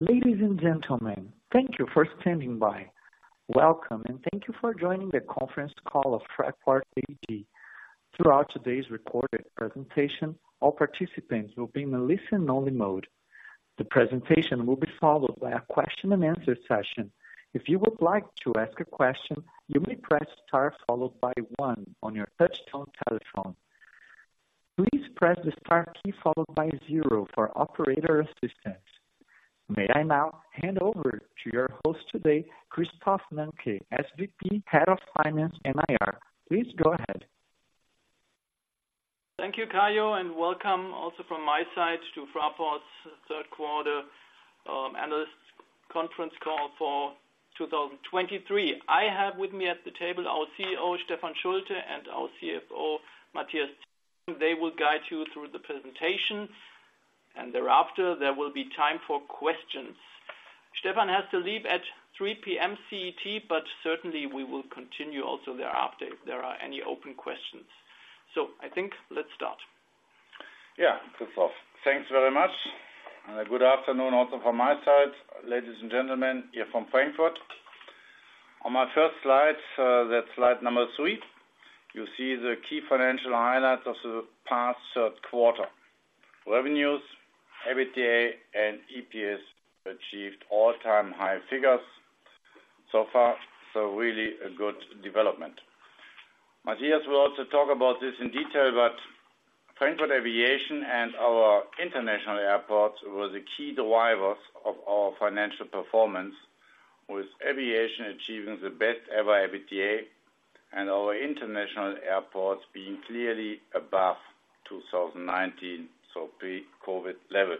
Ladies and gentlemen, thank you for standing by. Welcome, and thank you for joining the conference call of Fraport AG. Throughout today's recorded presentation, all participants will be in a listen-only mode. The presentation will be followed by a question and answer session. If you would like to ask a question, you may press star followed by one on your touchtone telephone. Please press the star key followed by zero for operator assistance. May I now hand over to your host today, Christoph Nanke, SVP, Head of Finance and IR. Please go ahead. Thank you, Kayo, and welcome also from my side to Fraport's third quarter analyst conference call for 2023. I have with me at the table our CEO, Stefan Schulte, and our CFO, Matthias Zieschang. They will guide you through the presentation, and thereafter, there will be time for questions. Stefan has to leave at 3:00 P.M. CET, but certainly we will continue also thereafter if there are any open questions. So I think let's start. Yeah, Christoph, thanks very much. Good afternoon, also from my side, ladies and gentlemen, here from Frankfurt. On my first slide, that's slide number, you see the key financial highlights of the past third quarter. Revenues, EBITDA, and EPS achieved all-time high figures so far, so really a good development. Matthias will also talk about this in detail, but Frankfurt Aviation and our international airports were the key drivers of our financial performance, with aviation achieving the best ever EBITDA and our international airports being clearly above 2019, so pre-COVID level.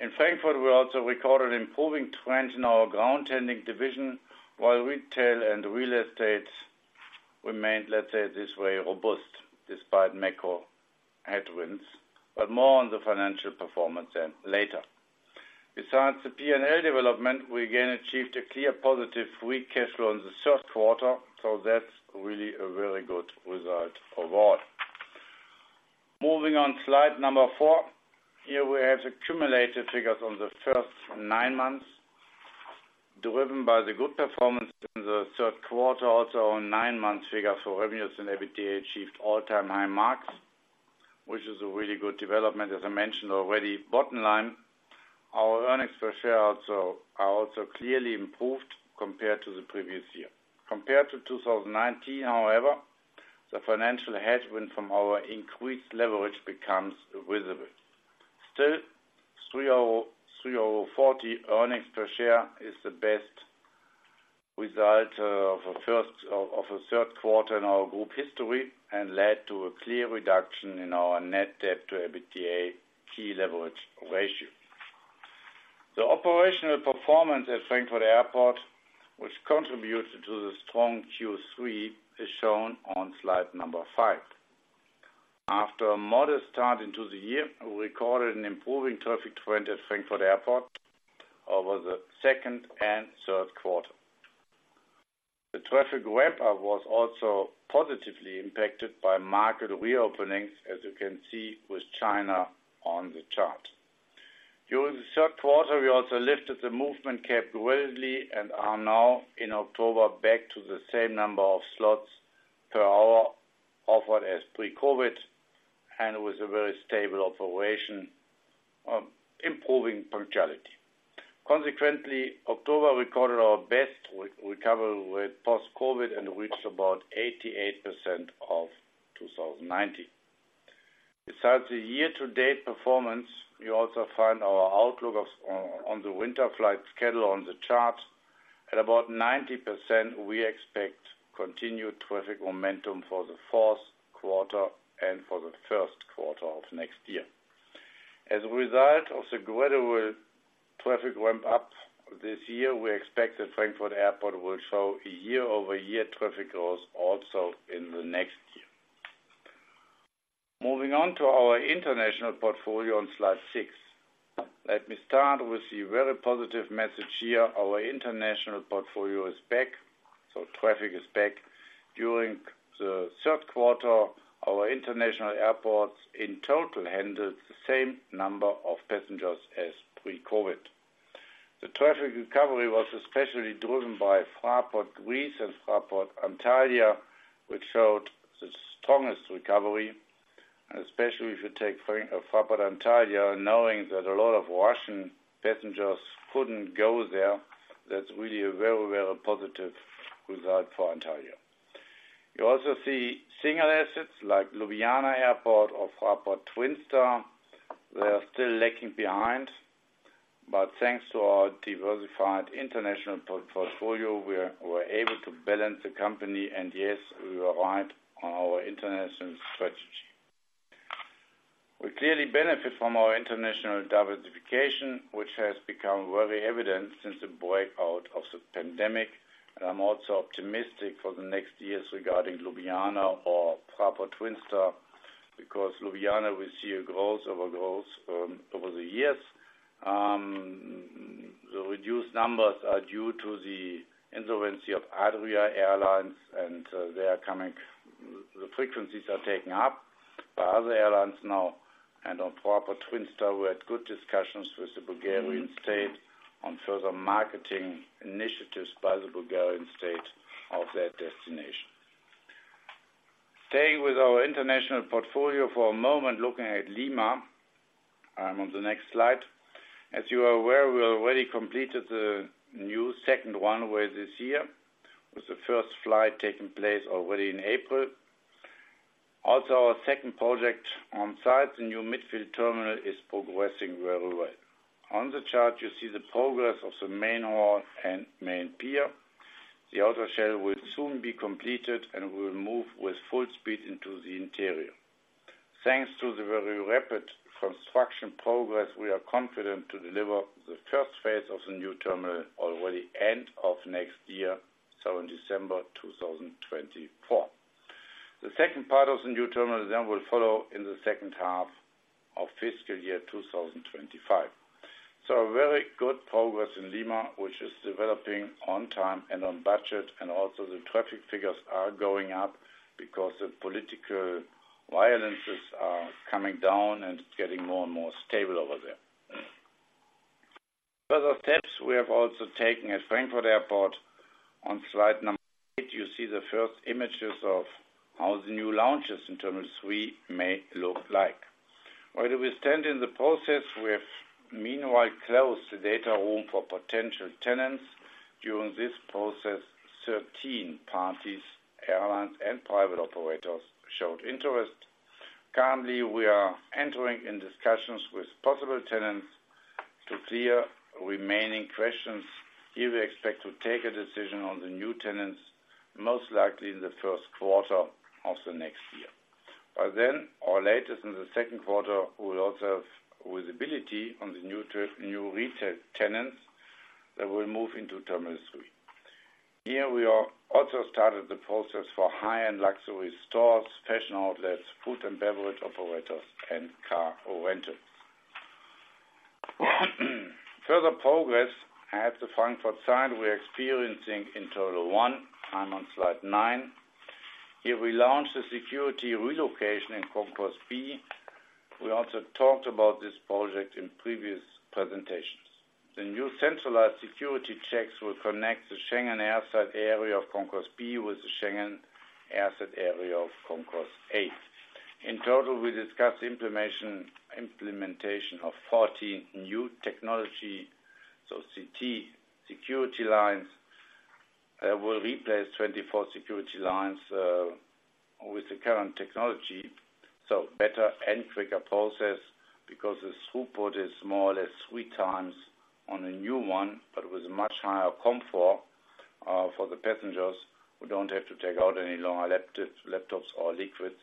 In Frankfurt, we also recorded improving trends in our ground handling division, while retail and real estate remained, let's say, this way, robust, despite macro headwinds, but more on the financial performance then later. Besides the P&L development, we again achieved a clear positive free cash flow in the third quarter, so that's really a very good result overall. Moving on, slide four. Here we have accumulated figures on the first nine months, driven by the good performance in the third quarter. Also, our nine-month figures for revenues and EBITDA achieved all-time high marks, which is a really good development. As I mentioned already, bottom line, our earnings per share also, are also clearly improved compared to the previous year. Compared to 2019, however, the financial headwind from our increased leverage becomes visible. Still, 30.40 euro earnings per share is the best result of a third quarter in our group history and led to a clear reduction in our net debt-to-EBITDA key leverage ratio. The operational performance at Frankfurt Airport, which contributes to the strong Q3, is shown on slide number five. After a modest start into the year, we recorded an improving traffic trend at Frankfurt Airport over the second and third quarter. The traffic ramp-up was also positively impacted by market reopenings, as you can see with China on the chart. During the third quarter, we also lifted the movement cap gradually and are now, in October, back to the same number of slots per hour offered as pre-COVID, and with a very stable operation, improving punctuality. Consequently, October recorded our best recovery with post-COVID and reached about 88% of 2019. Besides the year-to-date performance, you also find our outlook on the winter flight schedule on the chart. At about 90%, we expect continued traffic momentum for the fourth quarter and for the first quarter of next year. As a result of the gradual traffic ramp up this year, we expect that Frankfurt Airport will show a year-over-year traffic growth also in the next year. Moving on to our international portfolio on slide six. Let me start with the very positive message here. Our international portfolio is back, so traffic is back. During the third quarter, our international airports in total handled the same number of passengers as pre-COVID. The traffic recovery was especially driven by Fraport Greece and Fraport Antalya, which showed the strongest recovery, and especially if you take Fraport Antalya, knowing that a lot of Russian passengers couldn't go there, that's really a very, very positive result for Antalya. You also see single assets like Ljubljana Airport or Fraport Twin Star. They are still lagging behind, but thanks to our diversified international portfolio, we are, we were able to balance the company, and yes, we were right on our international strategy. We clearly benefit from our international diversification, which has become very evident since the outbreak of the pandemic, and I'm also optimistic for the next years regarding Ljubljana or Fraport Twin Star, because Ljubljana, we see a growth over growth, over the years. The reduced numbers are due to the insolvency of Adria Airways, and they are coming back. The frequencies are taken up by other airlines now, and on Varna Twin Star, we had good discussions with the Bulgarian state on further marketing initiatives by the Bulgarian state of that destination. Staying with our international portfolio for a moment, looking at Lima, on the next slide. As you are aware, we already completed the new second runway this year, with the first flight taking place already in April. Also, our second project on site, the new midfield terminal, is progressing very well. On the chart, you see the progress of the main hall and main pier. The outer shell will soon be completed, and we will move with full speed into the interior. Thanks to the very rapid construction progress, we are confident to deliver the first phase of the new terminal already end of next year, so in December 2024. The second part of the new terminal then will follow in the second half of fiscal year 2025. So very good progress in Lima, which is developing on time and on budget, and also the traffic figures are going up because the political violence is coming down, and it's getting more and more stable over there. Further steps we have also taken at Frankfurt Airport; on slide number eight, you see the first images of how the new lounges in Terminal 3 may look like. While we are in the process, we have meanwhile closed the data room for potential tenants. During this process, 13 parties, airlines, and private operators showed interest. Currently, we are entering in discussions with possible tenants to clear remaining questions. Here, we expect to take a decision on the new tenants, most likely in the first quarter of the next year. By then, or latest in the second quarter, we will also have visibility on the new retail tenants that will move into Terminal 3. Here, we are also started the process for high-end luxury stores, fashion outlets, food and beverage operators, and car rentals. Further progress at the Frankfurt site we're experiencing in Terminal 1. I'm on slide nine. Here, we launched the security relocation in Concourse B. We also talked about this project in previous presentations. The new centralized security checks will connect the Schengen airside area of Concourse B with the Schengen airside area of Concourse A. In total, we discussed implementation of 14 new technology, so CT security lines will replace 24 security lines with the current technology. So better and quicker process because the throughput is more or less three times on a new one, but with much higher comfort, for the passengers who don't have to take out any longer laptops, laptops or liquids.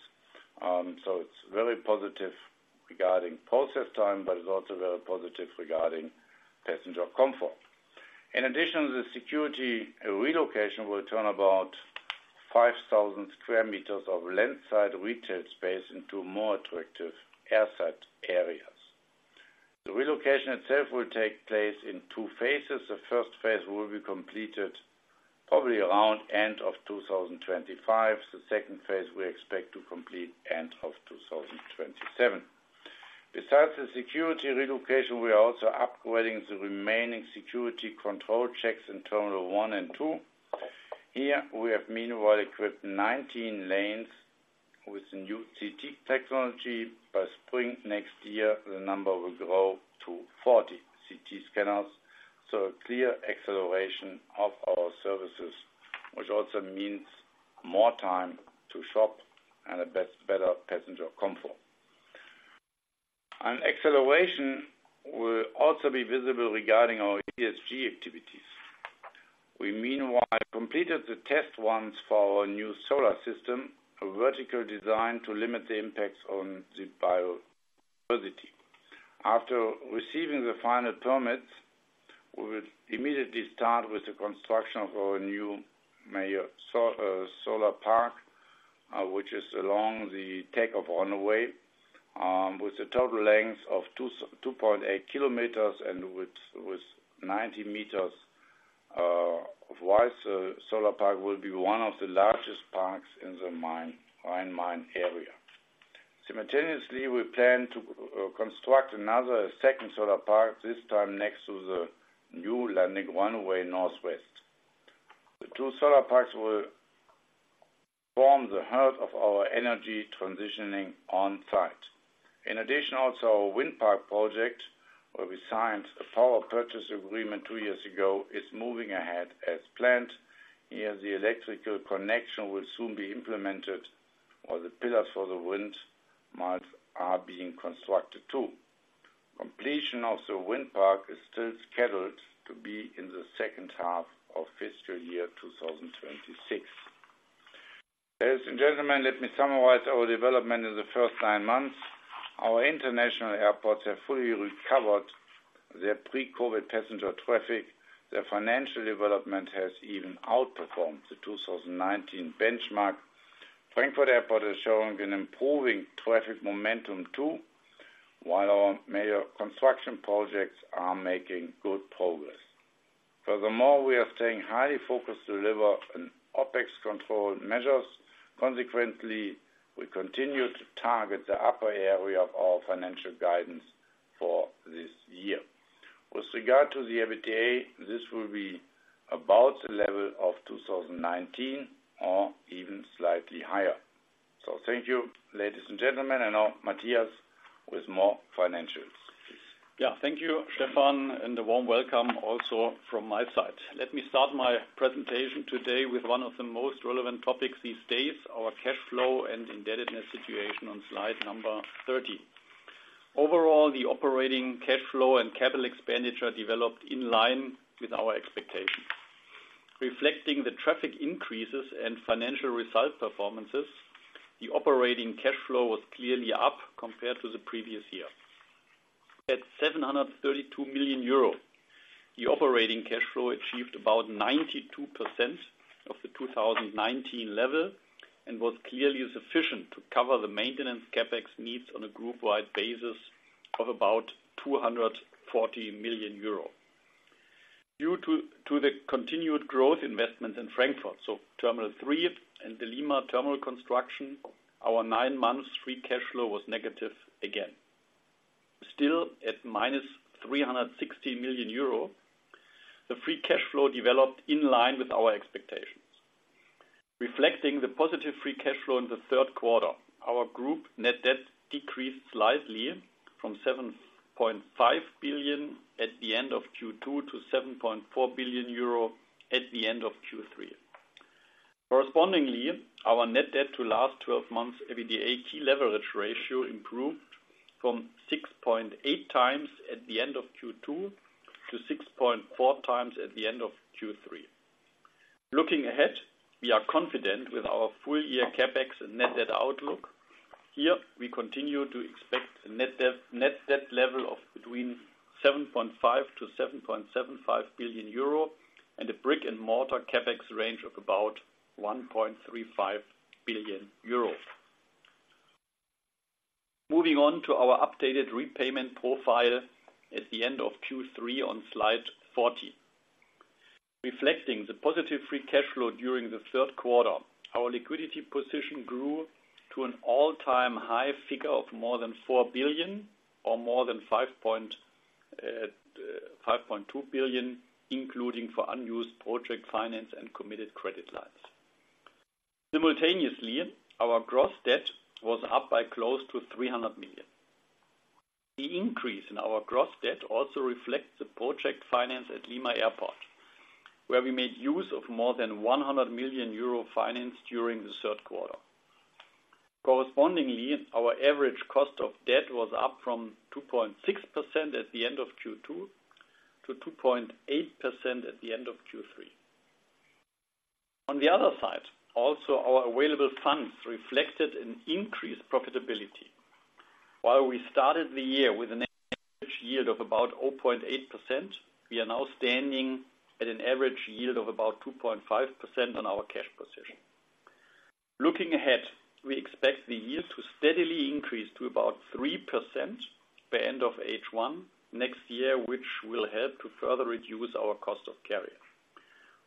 So it's very positive regarding process time, but it's also very positive regarding passenger comfort. In addition, the security relocation will turn about 5,000 sqm of landside retail space into more attractive airside areas. The relocation itself will take place in two phases. The first phase will be completed probably around end of 2025. The second phase, we expect to complete end of 2027. Besides the security relocation, we are also upgrading the remaining security control checks in Terminal 1 and 2. Here, we have meanwhile equipped 19 lanes with the new CT technology. By spring next year, the number will grow to 40 CT scanners, so a clear acceleration of our services, which also means more time to shop and better passenger comfort. An acceleration will also be visible regarding our ESG activities. We meanwhile completed the test runs for our new solar system, a vertical design to limit the impacts on the biodiversity. After receiving the final permits, we will immediately start with the construction of our new solar park, which is along the take-off runway, with a total length of 2.8 km and with 90 m wide. So solar park will be one of the largest parks in the Rhine-Main area. Simultaneously, we plan to construct another second solar park, this time next to the new landing runway northwest. The two solar parks will form the heart of our energy transitioning on site. In addition, also, our wind park project, where we signed a power purchase agreement two years ago, is moving ahead as planned. Here, the electrical connection will soon be implemented, while the pillars for the windmills are being constructed, too. Completion of the wind park is still scheduled to be in the second half of fiscal year 2026. Ladies and gentlemen, let me summarize our development in the first nine months. Our international airports have fully recovered their pre-COVID passenger traffic. Their financial development has even outperformed the 2019 benchmark. Frankfurt Airport is showing an improving traffic momentum, too, while our major construction projects are making good progress. Furthermore, we are staying highly focused to deliver on OpEx control measures. Consequently, we continue to target the upper area of our financial guidance for this year. With regard to the EBITDA, this will be about the level of 2019 or even slightly higher. So thank you, ladies and gentlemen, and now Matthias with more financials, please. Yeah, thank you, Stefan, and a warm welcome also from my side. Let me start my presentation today with one of the most relevant topics these days, our cash flow and indebtedness situation on slide number 13. Overall, the operating cash flow and capital expenditure developed in line with our expectations. Reflecting the traffic increases and financial result performances, the operating cash flow was clearly up compared to the previous year. At 732 million euro, the operating cash flow achieved about 92% of the 2019 level, and was clearly sufficient to cover the maintenance CapEx needs on a group-wide basis of about 240 million euro. Due to the continued growth investment in Frankfurt, so Terminal 3 and the Lima Terminal construction, our nine months free cash flow was negative again. Still, at -360 million euro, the free cash flow developed in line with our expectations. Reflecting the positive free cash flow in the third quarter, our group net debt decreased slightly from 7.5 billion at the end of Q2 to 7.4 billion euro at the end of Q3. Correspondingly, our net debt to last 12 months EBITDA key leverage ratio improved from 6.8x at the end of Q2 to 6.4x at the end of Q3. Looking ahead, we are confident with our full year CapEx and net debt outlook. Here, we continue to expect a net debt, net debt level of between 7.5 billion-7.75 billion euro, and a brick and mortar CapEx range of about 1.35 billion euro. Moving on to our updated repayment profile at the end of Q3 on slide 14. Reflecting the positive free cash flow during the third quarter, our liquidity position grew to an all-time high figure of more than 4 billion, or more than 5.2 billion, including for unused project finance and committed credit lines. Simultaneously, our gross debt was up by close to 300 million. The increase in our gross debt also reflects the project finance at Lima Airport, where we made use of more than 100 million euro finance during the third quarter. Correspondingly, our average cost of debt was up from 2.6% at the end of Q2 to 2.8% at the end of Q3. On the other side, also our available funds reflected an increased profitability. While we started the year with an average yield of about 0.8%, we are now standing at an average yield of about 2.5% on our cash position. Looking ahead, we expect the yield to steadily increase to about 3% by end of H1 next year, which will help to further reduce our cost of carry.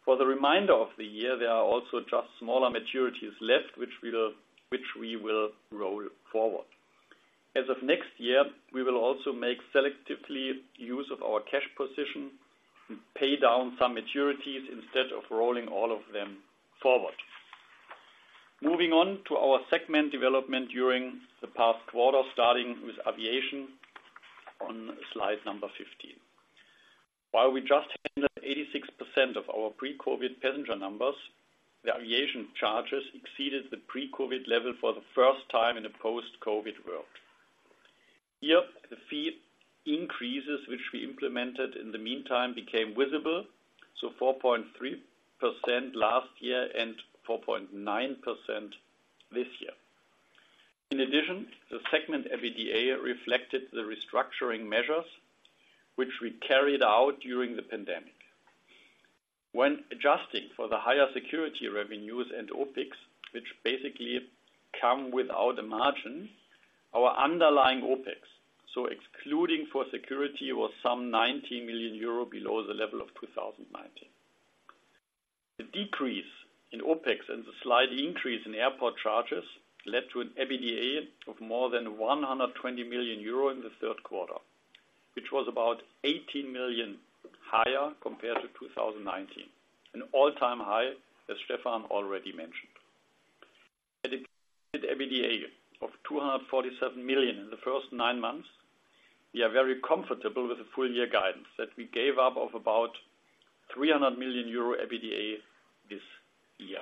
For the remainder of the year, there are also just smaller maturities left, which we will roll forward. As of next year, we will also make selectively use of our cash position and pay down some maturities instead of rolling all of them forward. Moving on to our segment development during the past quarter, starting with Aviation on slide number 15. While we just handled 86% of our pre-COVID passenger numbers, the aviation charges exceeded the pre-COVID level for the first time in a post-COVID world. Here, the fee increases, which we implemented in the meantime, became visible, so 4.3% last year and 4.9% this year. In addition, the segment EBITDA reflected the restructuring measures which we carried out during the pandemic. When adjusting for the higher security revenues and OpEx, which basically come without a margin, our underlying OpEx, so excluding for security, was some 19 million euro below the level of 2019. The decrease in OpEx and the slight increase in airport charges led to an EBITDA of more than 120 million euro in the third quarter, which was about 18 million higher compared to 2019, an all-time high, as Stefan already mentioned. At an EBITDA of 247 million in the first nine months, we are very comfortable with the full year guidance that we gave up of about 300 million euro EBITDA this year.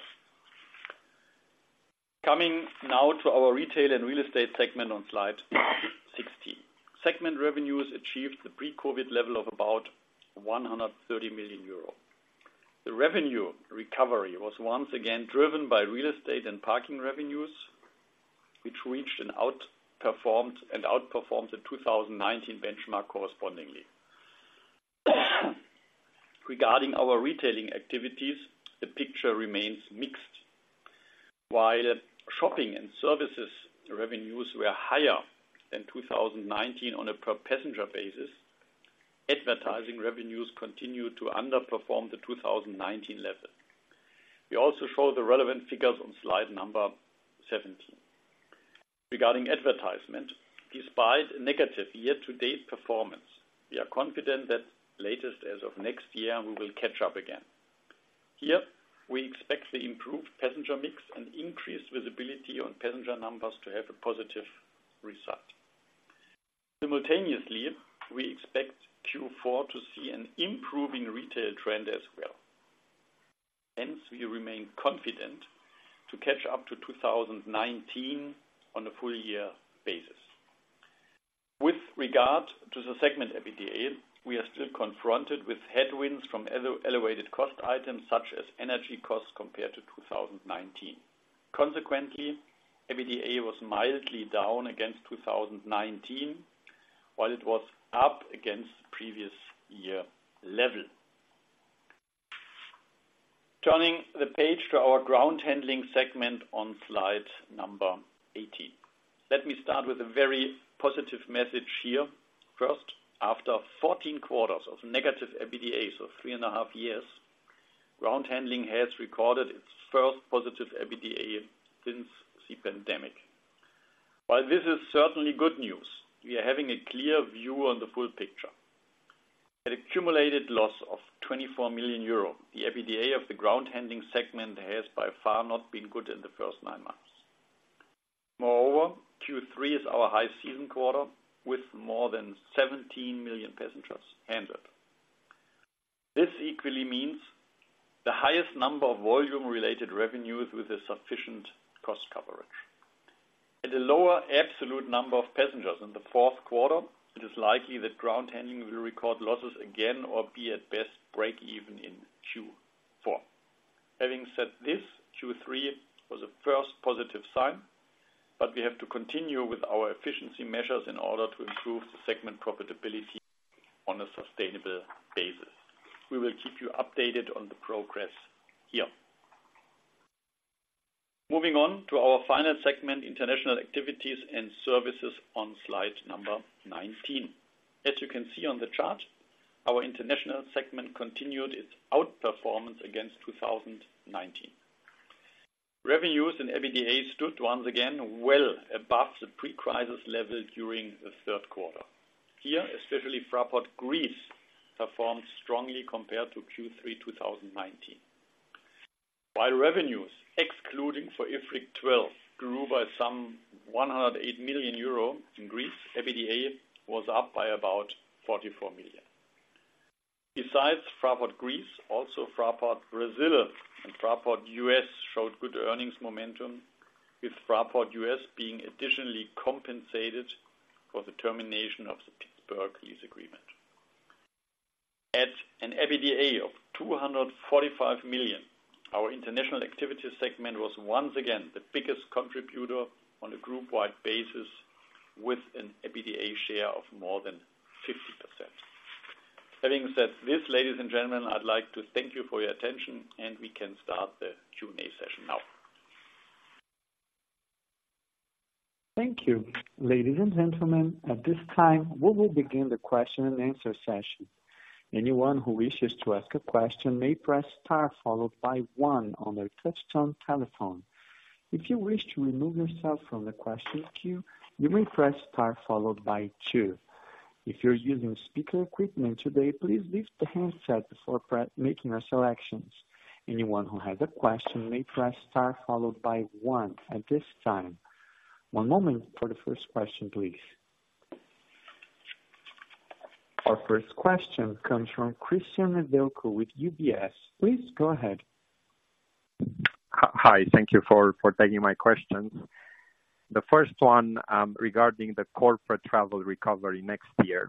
Coming now to our retail and real estate segment on slide 16. Segment revenues achieved the pre-COVID level of about 130 million euro. The revenue recovery was once again driven by real estate and parking revenues, which reached and outperformed, and outperformed the 2019 benchmark correspondingly. Regarding our retailing activities, the picture remains mixed. While shopping and services revenues were higher than 2019 on a per passenger basis, advertising revenues continued to underperform the 2019 level. We also show the relevant figures on slide number 17. Regarding advertisement, despite a negative year-to-date performance, we are confident that latest as of next year, we will catch up again. Here, we expect the improved passenger mix and increased visibility on passenger numbers to have a positive result. Simultaneously, we expect Q4 to see an improving retail trend as well. Hence, we remain confident to catch up to 2019 on a full year basis. With regard to the segment EBITDA, we are still confronted with headwinds from elevated cost items such as energy costs compared to 2019. Consequently, EBITDA was mildly down against 2019, while it was up against the previous year level. Turning the page to our ground handling segment on slide number 18. Let me start with a very positive message here. First, after 14 quarters of negative EBITDA, so 3.5 years, ground handling has recorded its first positive EBITDA since the pandemic. While this is certainly good news, we are having a clear view on the full picture. At accumulated loss of 24 million euro, the EBITDA of the ground handling segment has by far not been good in the first nine months. Moreover, Q3 is our high season quarter, with more than 17 million passengers handled. This equally means the highest number of volume-related revenues with a sufficient cost coverage. At a lower absolute number of passengers in the fourth quarter, it is likely that ground handling will record losses again or be at best break even in Q4. Having said this, Q3 was a first positive sign, but we have to continue with our efficiency measures in order to improve the segment profitability on a sustainable basis. We will keep you updated on the progress here. Moving on to our final segment, international activities and services on slide number 19. As you can see on the chart, our international segment continued its outperformance against 2019. Revenues and EBITDA stood once again well above the pre-crisis level during the third quarter. Here, especially Fraport Greece performed strongly compared to Q3 2019. While revenues, excluding for IFRIC 12, grew by some 108 million euro in Greece, EBITDA was up by about 44 million. Besides Fraport Greece, also Fraport Brasil and Fraport U.S. showed good earnings momentum, with Fraport U.S. being additionally compensated for the termination of the Pittsburgh lease agreement. At an EBITDA of 245 million, our international activity segment was once again the biggest contributor on a group-wide basis, with an EBITDA share of more than 50%. Having said this, ladies and gentlemen, I'd like to thank you for your attention, and we can start the Q&A session now. Thank you. Ladies and gentlemen, at this time, we will begin the question and answer session. Anyone who wishes to ask a question may press star followed by one on their touch-tone telephone. If you wish to remove yourself from the question queue, you may press star followed by two. If you're using speaker equipment today, please lift the handset before pressing, making your selections. Anyone who has a question may press star followed by one at this time. One moment for the first question, please. Our first question comes from Cristian Nedelcu with UBS. Please go ahead. Hi, thank you for taking my questions. The first one, regarding the corporate travel recovery next year.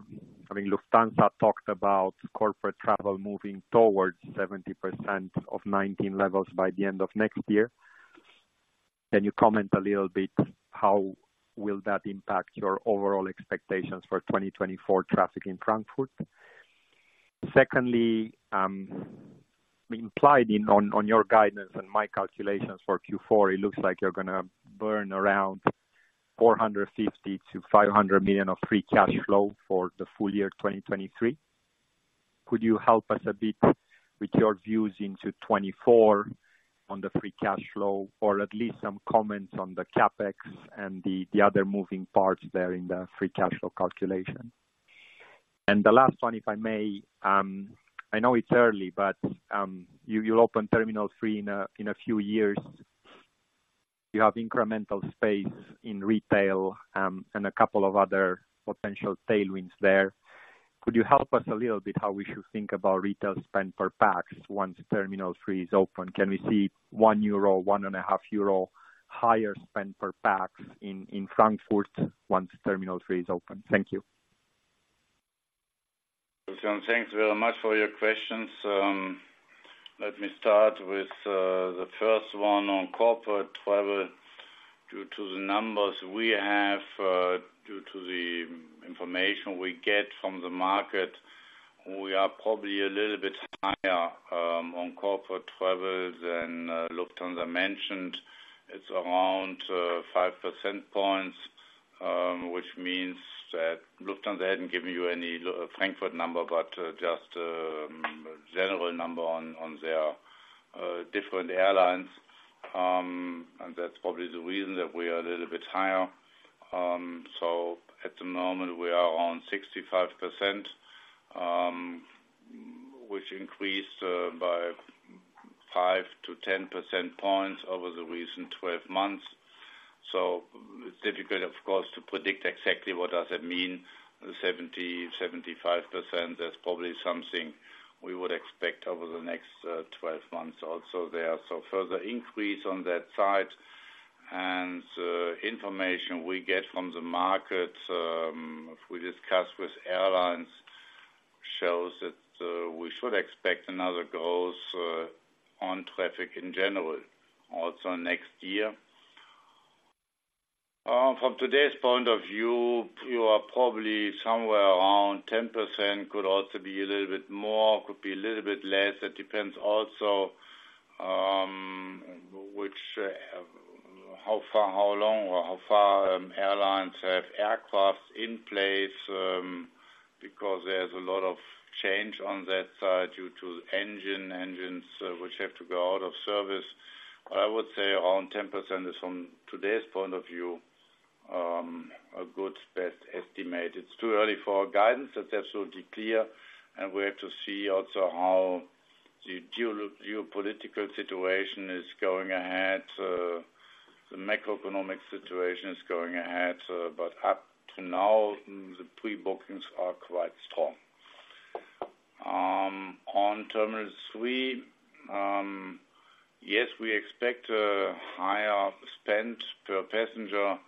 I mean, Lufthansa talked about corporate travel moving towards 70% of 2019 levels by the end of next year. Can you comment a little bit, how will that impact your overall expectations for 2024 traffic in Frankfurt? Secondly, implied in your guidance and my calculations for Q4, it looks like you're going to burn around 450 million-500 million of free cash flow for the full year 2023. Could you help us a bit with your views into 2024 on the free cash flow, or at least some comments on the CapEx and the other moving parts there in the free cash flow calculation? The last one, if I may, I know it's early, but you'll open Terminal 3 in a few years. You have incremental space in retail, and a couple of other potential tailwinds there. Could you help us a little bit how we should think about retail spend per pax once Terminal 3 is open? Can we see 1 euro, 1.5 euro higher spend per pax in Frankfurt once Terminal 3 is open? Thank you. Cristian, thanks very much for your questions. Let me start with the first one on corporate travel. Due to the numbers we have, due to the information we get from the market, we are probably a little bit higher on corporate travel than Lufthansa mentioned. It's around 5 percentage points, which means that Lufthansa hadn't given you any local Frankfurt number, but just general number on their different airlines. And that's probably the reason that we are a little bit higher. So at the moment, we are on 65%, which increased by 5 percentage points-10 percentage points over the recent 12 months. So it's difficult, of course, to predict exactly what does it mean, 70%, 75%. That's probably something we would expect over the next 12 months also there. So further increase on that side, and information we get from the markets, if we discuss with airlines, shows that we should expect another growth on traffic in general also next year. From today's point of view, you are probably somewhere around 10%, could also be a little bit more, could be a little bit less. It depends also which, how far, how long or how far, airlines have aircraft in place, because there's a lot of change on that side due to engine, engines which have to go out of service. I would say around 10% is, from today's point of view, a good best estimate. It's too early for guidance, that's absolutely clear, and we have to see also how the geopolitical situation is going ahead, the macroeconomic situation is going ahead, but up to now, the pre-bookings are quite strong. On Terminal 3, yes, we expect a higher spend per passenger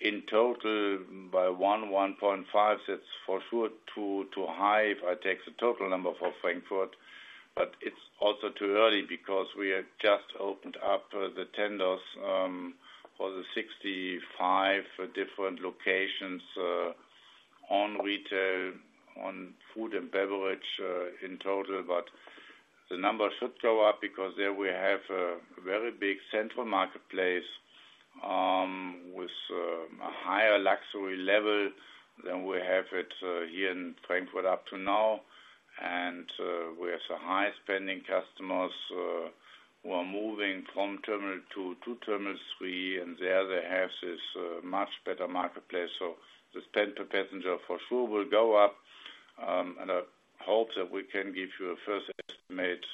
in total by 1.5. That's for sure too high if I take the total number for Frankfurt, but it's also too early because we have just opened up the tenders for the 65 different locations on retail, on food and beverage, in total. But the numbers should go up because there we have a very big central marketplace with a higher luxury level than we have it here in Frankfurt up to now. We have some high-spending customers who are moving from Terminal 2 to Terminal 3, and there they have this much better marketplace. So the spend per passenger for sure will go up, and I hope that we can give you a first estimate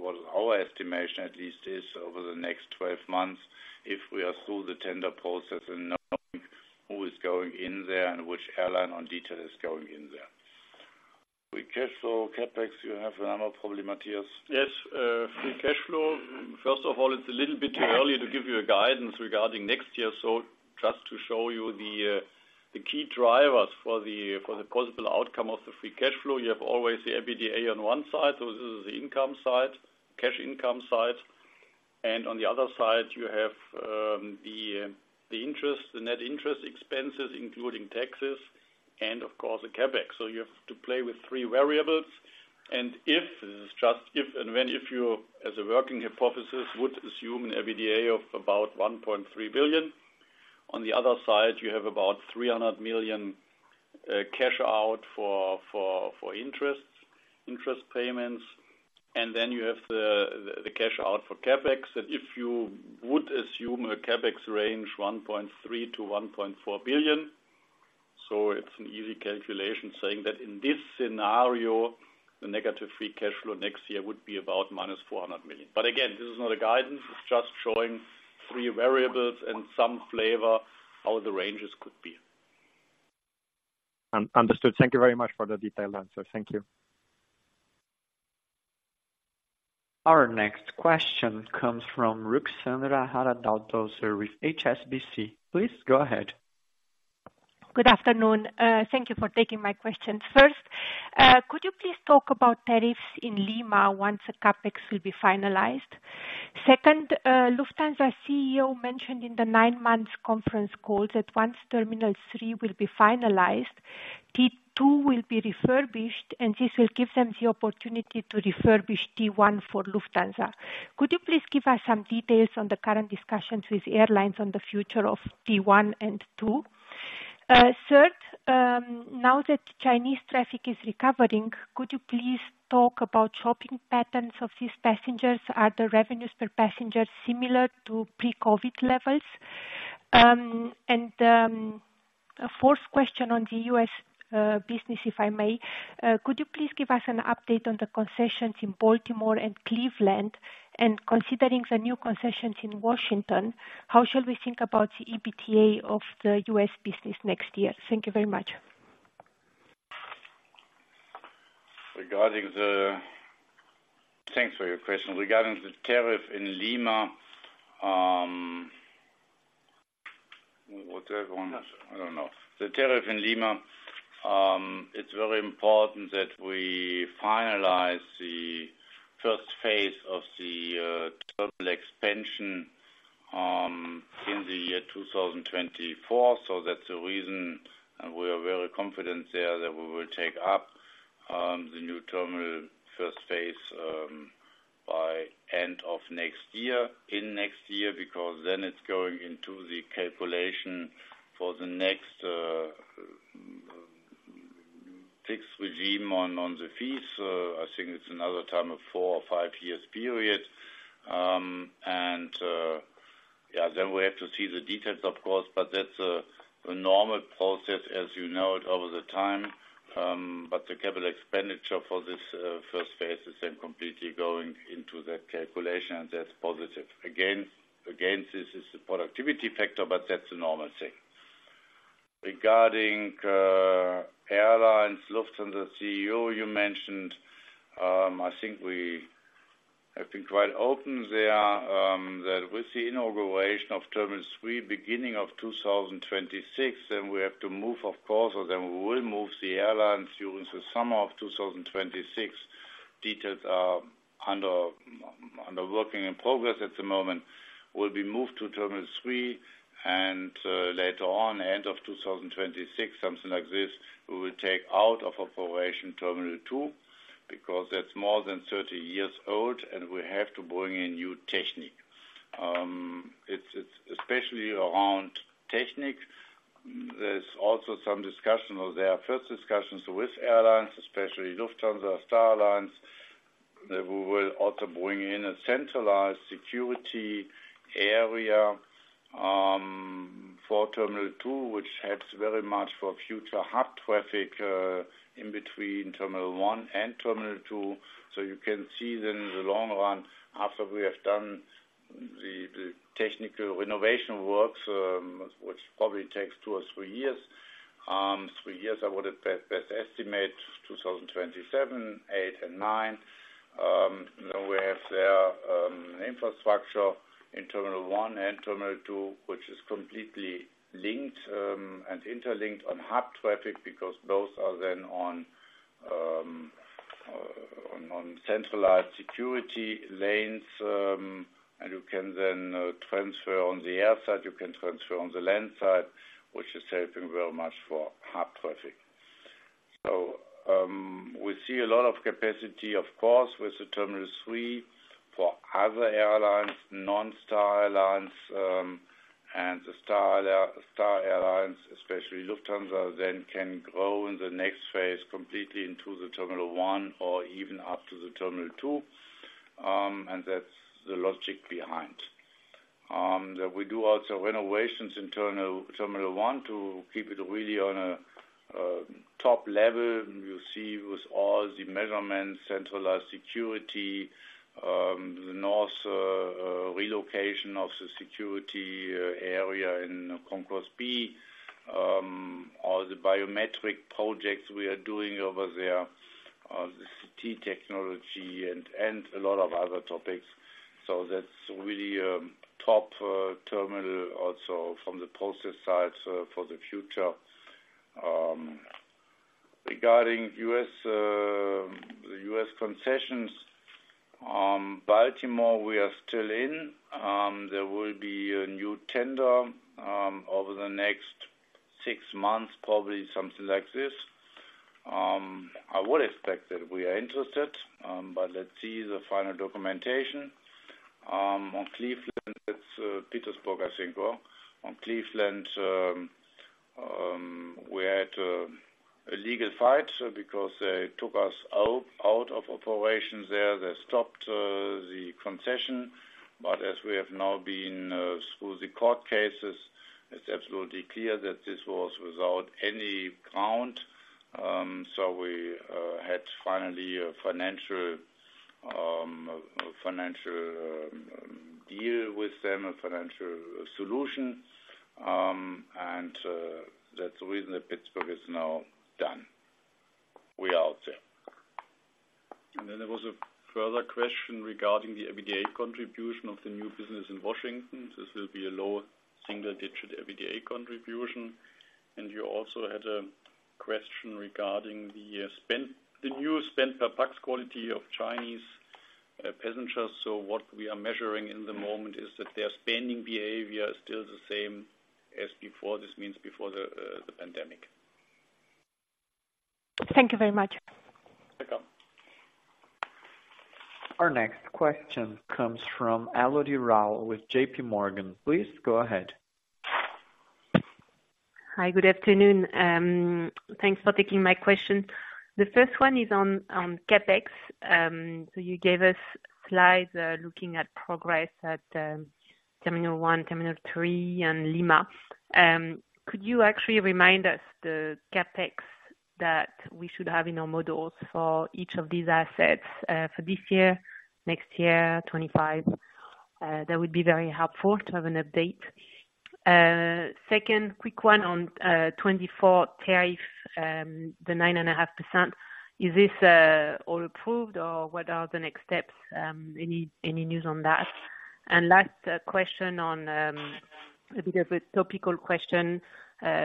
what our estimation at least is over the next 12 months, if we are through the tender process and knowing who is going in there and which airline on detail is going in there. Free cash flow, CapEx, you have a number, probably, Matthias. Yes, free cash flow. First of all, it's a little bit too early to give you a guidance regarding next year. So just to show you the, the key drivers for the, for the possible outcome of the free cash flow, you have always the EBITDA on one side, so this is the income side, cash income side. And on the other side, you have, the, the interest, the net interest expenses, including taxes, and of course, the CapEx. So you have to play with three variables. And if, this is just if, and when, if you, as a working hypothesis, would assume an EBITDA of about 1.3 billion, on the other side, you have about 300 million, cash out for, for, for interest, interest payments, and then you have the, the, the cash out for CapEx. That if you would assume a CapEx range, 1.3 billion-1.4 billion, so it's an easy calculation, saying that in this scenario, the negative free cash flow next year would be about -400 million. But again, this is not a guidance, it's just showing three variables and some flavor how the ranges could be. Understood. Thank you very much for the detailed answer. Thank you. Our next question comes from Ruxandra Haradau-Döser with HSBC. Please go ahead. Good afternoon. Thank you for taking my question. First, could you please talk about tariffs in Lima once the CapEx will be finalized? Second, Lufthansa CEO mentioned in the nine-month conference call that once Terminal 3 will be finalized, T2 will be refurbished, and this will give them the opportunity to refurbish T1 for Lufthansa. Could you please give us some details on the current discussions with airlines on the future of T1 and 2? Third, now that Chinese traffic is recovering, could you please talk about shopping patterns of these passengers? Are the revenues per passenger similar to pre-COVID levels? And, a fourth question on the U.S. business, if I may. Could you please give us an update on the concessions in Baltimore and Cleveland, and considering the new concessions in Washington, how shall we think about the EBITDA of the U.S. business next year? Thank you very much. Thanks for your question. Regarding the tariff in Lima, whatever one, I don't know. The tariff in Lima, it's very important that we finalize the first phase of the terminal expansion in the year 2024. So that's the reason, and we are very confident there that we will take up the new terminal first phase by end of next year, in next year, because then it's going into the calculation for the next fixed regime on the fees. I think it's another time of four or five years period. And yeah, then we have to see the details, of course, but that's a normal process, as you know it, over the time. But the capital expenditure for this first phase is then completely going into that calculation, and that's positive. Again, again, this is the productivity factor, but that's a normal thing. Regarding airlines, Lufthansa CEO, you mentioned, I think we have been quite open there, that with the inauguration of Terminal 3, beginning of 2026, then we have to move, of course, so then we will move the airlines during the summer of 2026. Details are work in progress at the moment, will be moved to Terminal 3, and later on, end of 2026, something like this, we will take out of operation Terminal 2, because that's more than 30 years old, and we have to bring in new technique. It's especially around technique. There's also some discussion or there are first discussions with airlines, especially Lufthansa, Star Alliance airlines, that we will also bring in a centralized security area for Terminal 2, which helps very much for future hub traffic in between Terminal 1 and Terminal 2. So you can see then, in the long run, after we have done the technical renovation works, which probably takes two or three years, three years, I would at best estimate 2027, 2028, and 2029. Then we have their infrastructure in Terminal 1 and Terminal 2, which is completely linked and interlinked on hub traffic, because those are then on centralized security lanes. And you can then transfer on the outside, you can transfer on the land side, which is helping very much for hub traffic. We see a lot of capacity, of course, with the Terminal 3 for other airlines, non-Star Airlines, and the Star Airlines, especially Lufthansa, then can grow in the next phase completely into the Terminal 1 or even up to the Terminal 2. And that's the logic behind. We do also renovations in Terminal 1 to keep it really on a top level. You see, with all the measurements, centralized security, the north relocation of the security area in Concourse B, all the biometric projects we are doing over there, the CT technology and a lot of other topics. So that's really a top terminal also from the process side for the future. Regarding U.S., the U.S. concessions, Baltimore, we are still in. There will be a new tender over the next six months, probably something like this. I would expect that we are interested, but let's see the final documentation. On Cleveland, it's Pittsburgh, I think. Well, on Cleveland, we had a legal fight because they took us out of operations there. They stopped the concession, but as we have now been through the court cases, it's absolutely clear that this was without any ground. So we had finally a financial deal with them, a financial solution. And that's the reason that Pittsburgh is now done. We are out there. And then there was a further question regarding the EBITDA contribution of the new business in Washington. This will be a low single-digit EBITDA contribution, and you also had a question regarding the spend, the new spend per bucks quality of Chinese passengers. So what we are measuring in the moment is that their spending behavior is still the same as before. This means before the pandemic. Thank you very much. Welcome. Our next question comes from Elodie Rall with J.P. Morgan. Please go ahead. Hi, good afternoon. Thanks for taking my question. The first one is on, on CapEx. So you gave us slides, looking at progress at, Terminal 1, Terminal 3, and Lima. Could you actually remind us the CapEx that we should have in our models for each of these assets, for this year, next year, 2025? That would be very helpful to have an update. Second quick one on, 2024 tariff, the 9.5%. Is this, all approved, or what are the next steps? Any, any news on that? And last question on, a bit of a topical question.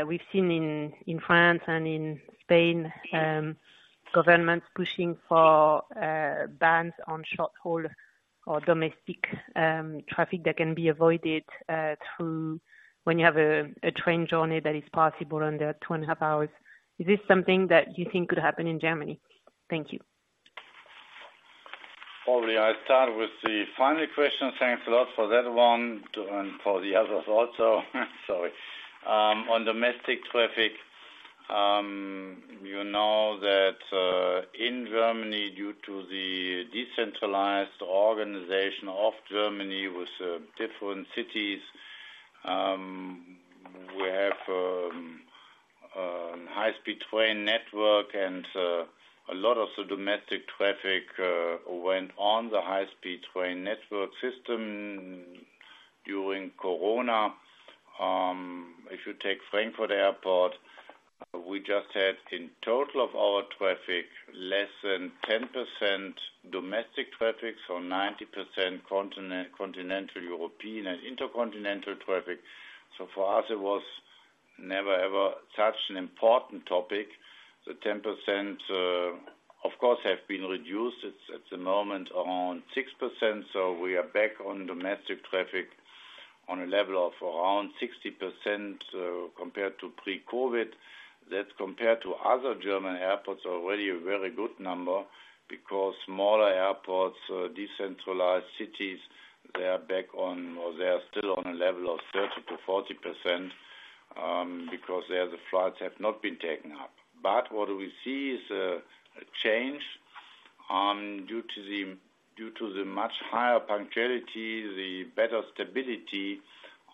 We've seen in France and in Spain, governments pushing for bans on short haul or domestic traffic that can be avoided through when you have a train journey that is possible under 2.5 hours. Is this something that you think could happen in Germany? Thank you. Probably I'll start with the final question. Thanks a lot for that one, and for the others also. Sorry. On domestic traffic, you know that, in Germany, due to the decentralized organization of Germany with different cities, we have a high-speed train network, and a lot of the domestic traffic went on the high-speed train network system during corona. If you take Frankfurt Airport, we just had, in total of our traffic, less than 10% domestic traffic, so 90% continental European and intercontinental traffic. So for us, it was never, ever such an important topic. The 10%, of course, have been reduced. It's at the moment around 6%, so we are back on domestic traffic on a level of around 60%, compared to pre-COVID. That's compared to other German airports, already a very good number, because smaller airports, decentralized cities, they are back on, or they are still on a level of 30%-40%, because there, the flights have not been taken up. But what we see is a change, due to the much higher punctuality, the better stability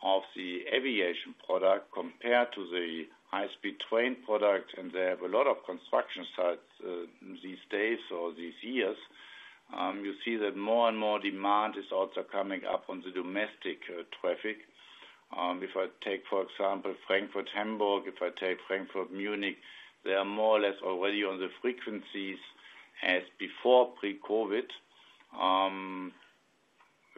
of the aviation product compared to the high-speed train product. And they have a lot of construction sites, these days or these years. You see that more and more demand is also coming up on the domestic traffic. If I take, for example, Frankfurt, Hamburg, if I take Frankfurt, Munich, they are more or less already on the frequencies as before pre-COVID.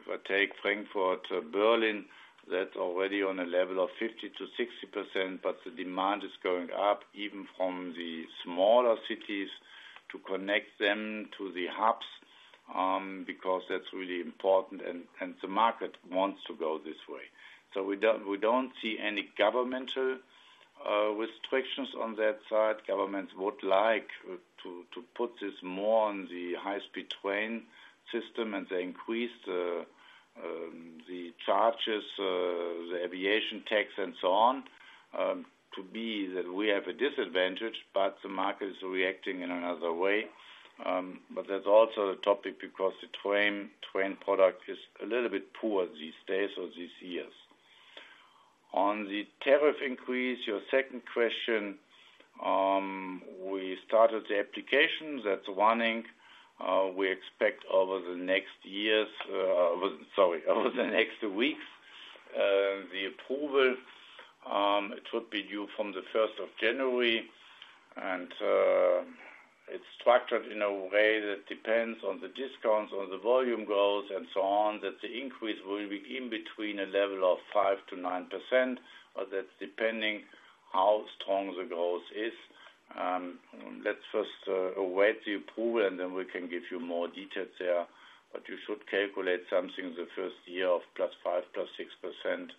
If I take Frankfurt, Berlin, that's already on a level of 50%-60%, but the demand is going up, even from the smaller cities, to connect them to the hubs, because that's really important, and the market wants to go this way. So we don't, we don't see any governmental restrictions on that side. Governments would like to put this more on the high-speed train system, and they increased the charges, the aviation tax, and so on, to be that we have a disadvantage, but the market is reacting in another way. But that's also a topic because the train product is a little bit poor these days or these years. On the tariff increase, your second question, we started the applications. That's one thing, we expect over the next years, sorry, over the next weeks, the approval, it should be due from the first of January, and, it's structured in a way that depends on the discounts, on the volume goals, and so on, that the increase will be in between a level of 5%-9%, but that's depending how strong the growth is. Let's first, await the approval, and then we can give you more details there, but you should calculate something in the first year of +5%, +6%.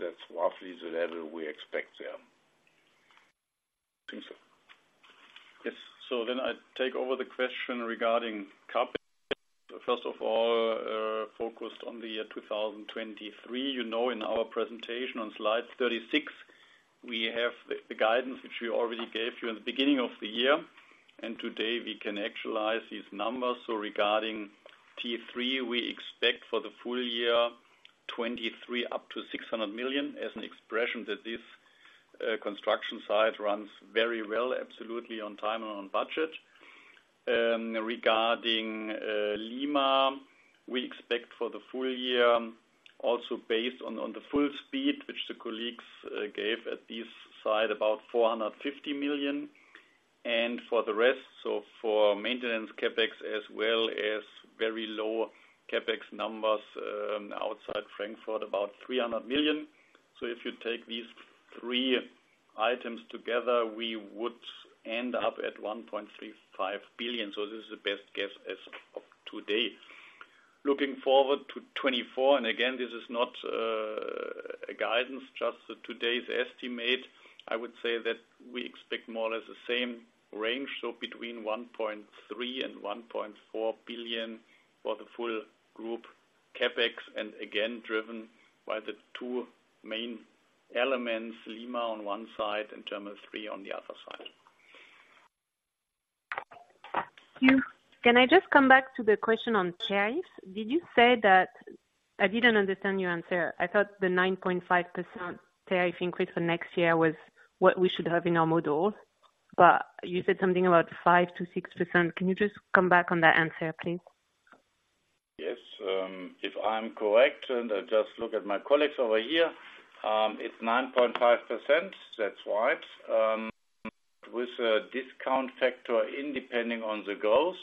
That's roughly the level we expect there. Yes, so then I take over the question regarding CapEx. First of all, focused on the year 2023. You know, in our presentation on slide 36, we have the, the guidance, which we already gave you in the beginning of the year, and today, we can actualize these numbers. So regarding T3, we expect for the full year 2023, up to 600 million as an expression that this construction site runs very well, absolutely on time and on budget. Regarding Lima, we expect for the full year, also based on the full speed, which the colleagues gave at this site, about 450 million. And for the rest, so for maintenance CapEx, as well as very low CapEx numbers outside Frankfurt, about 300 million. So if you take these three items together, we would end up at 1.35 billion. So this is the best guess as of today. Looking forward to 2024, and again, this is not a guidance, just today's estimate. I would say that we expect more or less the same range, so between 1.3 billion and 1.4 billion for the full group CapEx, and again, driven by the two main elements, Lima on one side and Terminal 3 on the other side. Thank you. Can I just come back to the question on tariffs? Did you say that, I didn't understand your answer. I thought the 9.5% tariff increase for next year was what we should have in our model, but you said something about 5%-6%. Can you just come back on that answer, please? Yes, if I'm correct, and I just look at my colleagues over here, it's 9.5%. That's right, with a discount factor in depending on the growth.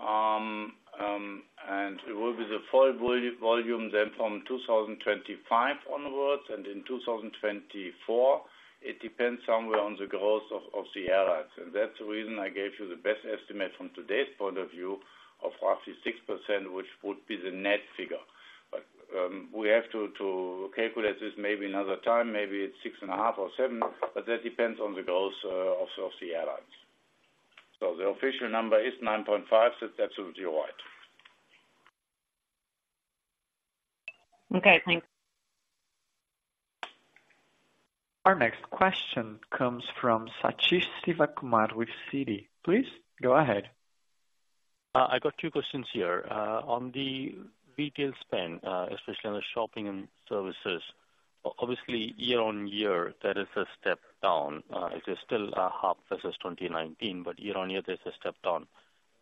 And it will be the full volume then from 2025 onwards, and in 2024, it depends somewhere on the growth of the airlines. And that's the reason I gave you the best estimate from today's point of view of actually 6%, which would be the net figure. But we have to calculate this maybe another time, maybe it's 6.5% or 7%, but that depends on the growth of the airlines. So the official number is 9.5%, so that's absolutely right. Okay, thanks. Our next question comes from Sathish Sivakumar with Citi. Please go ahead. I got two questions here. On the retail spend, especially on the shopping and services, obviously, year-on-year, that is a step down. It is still half versus 2019, but year-on-year, there's a step down.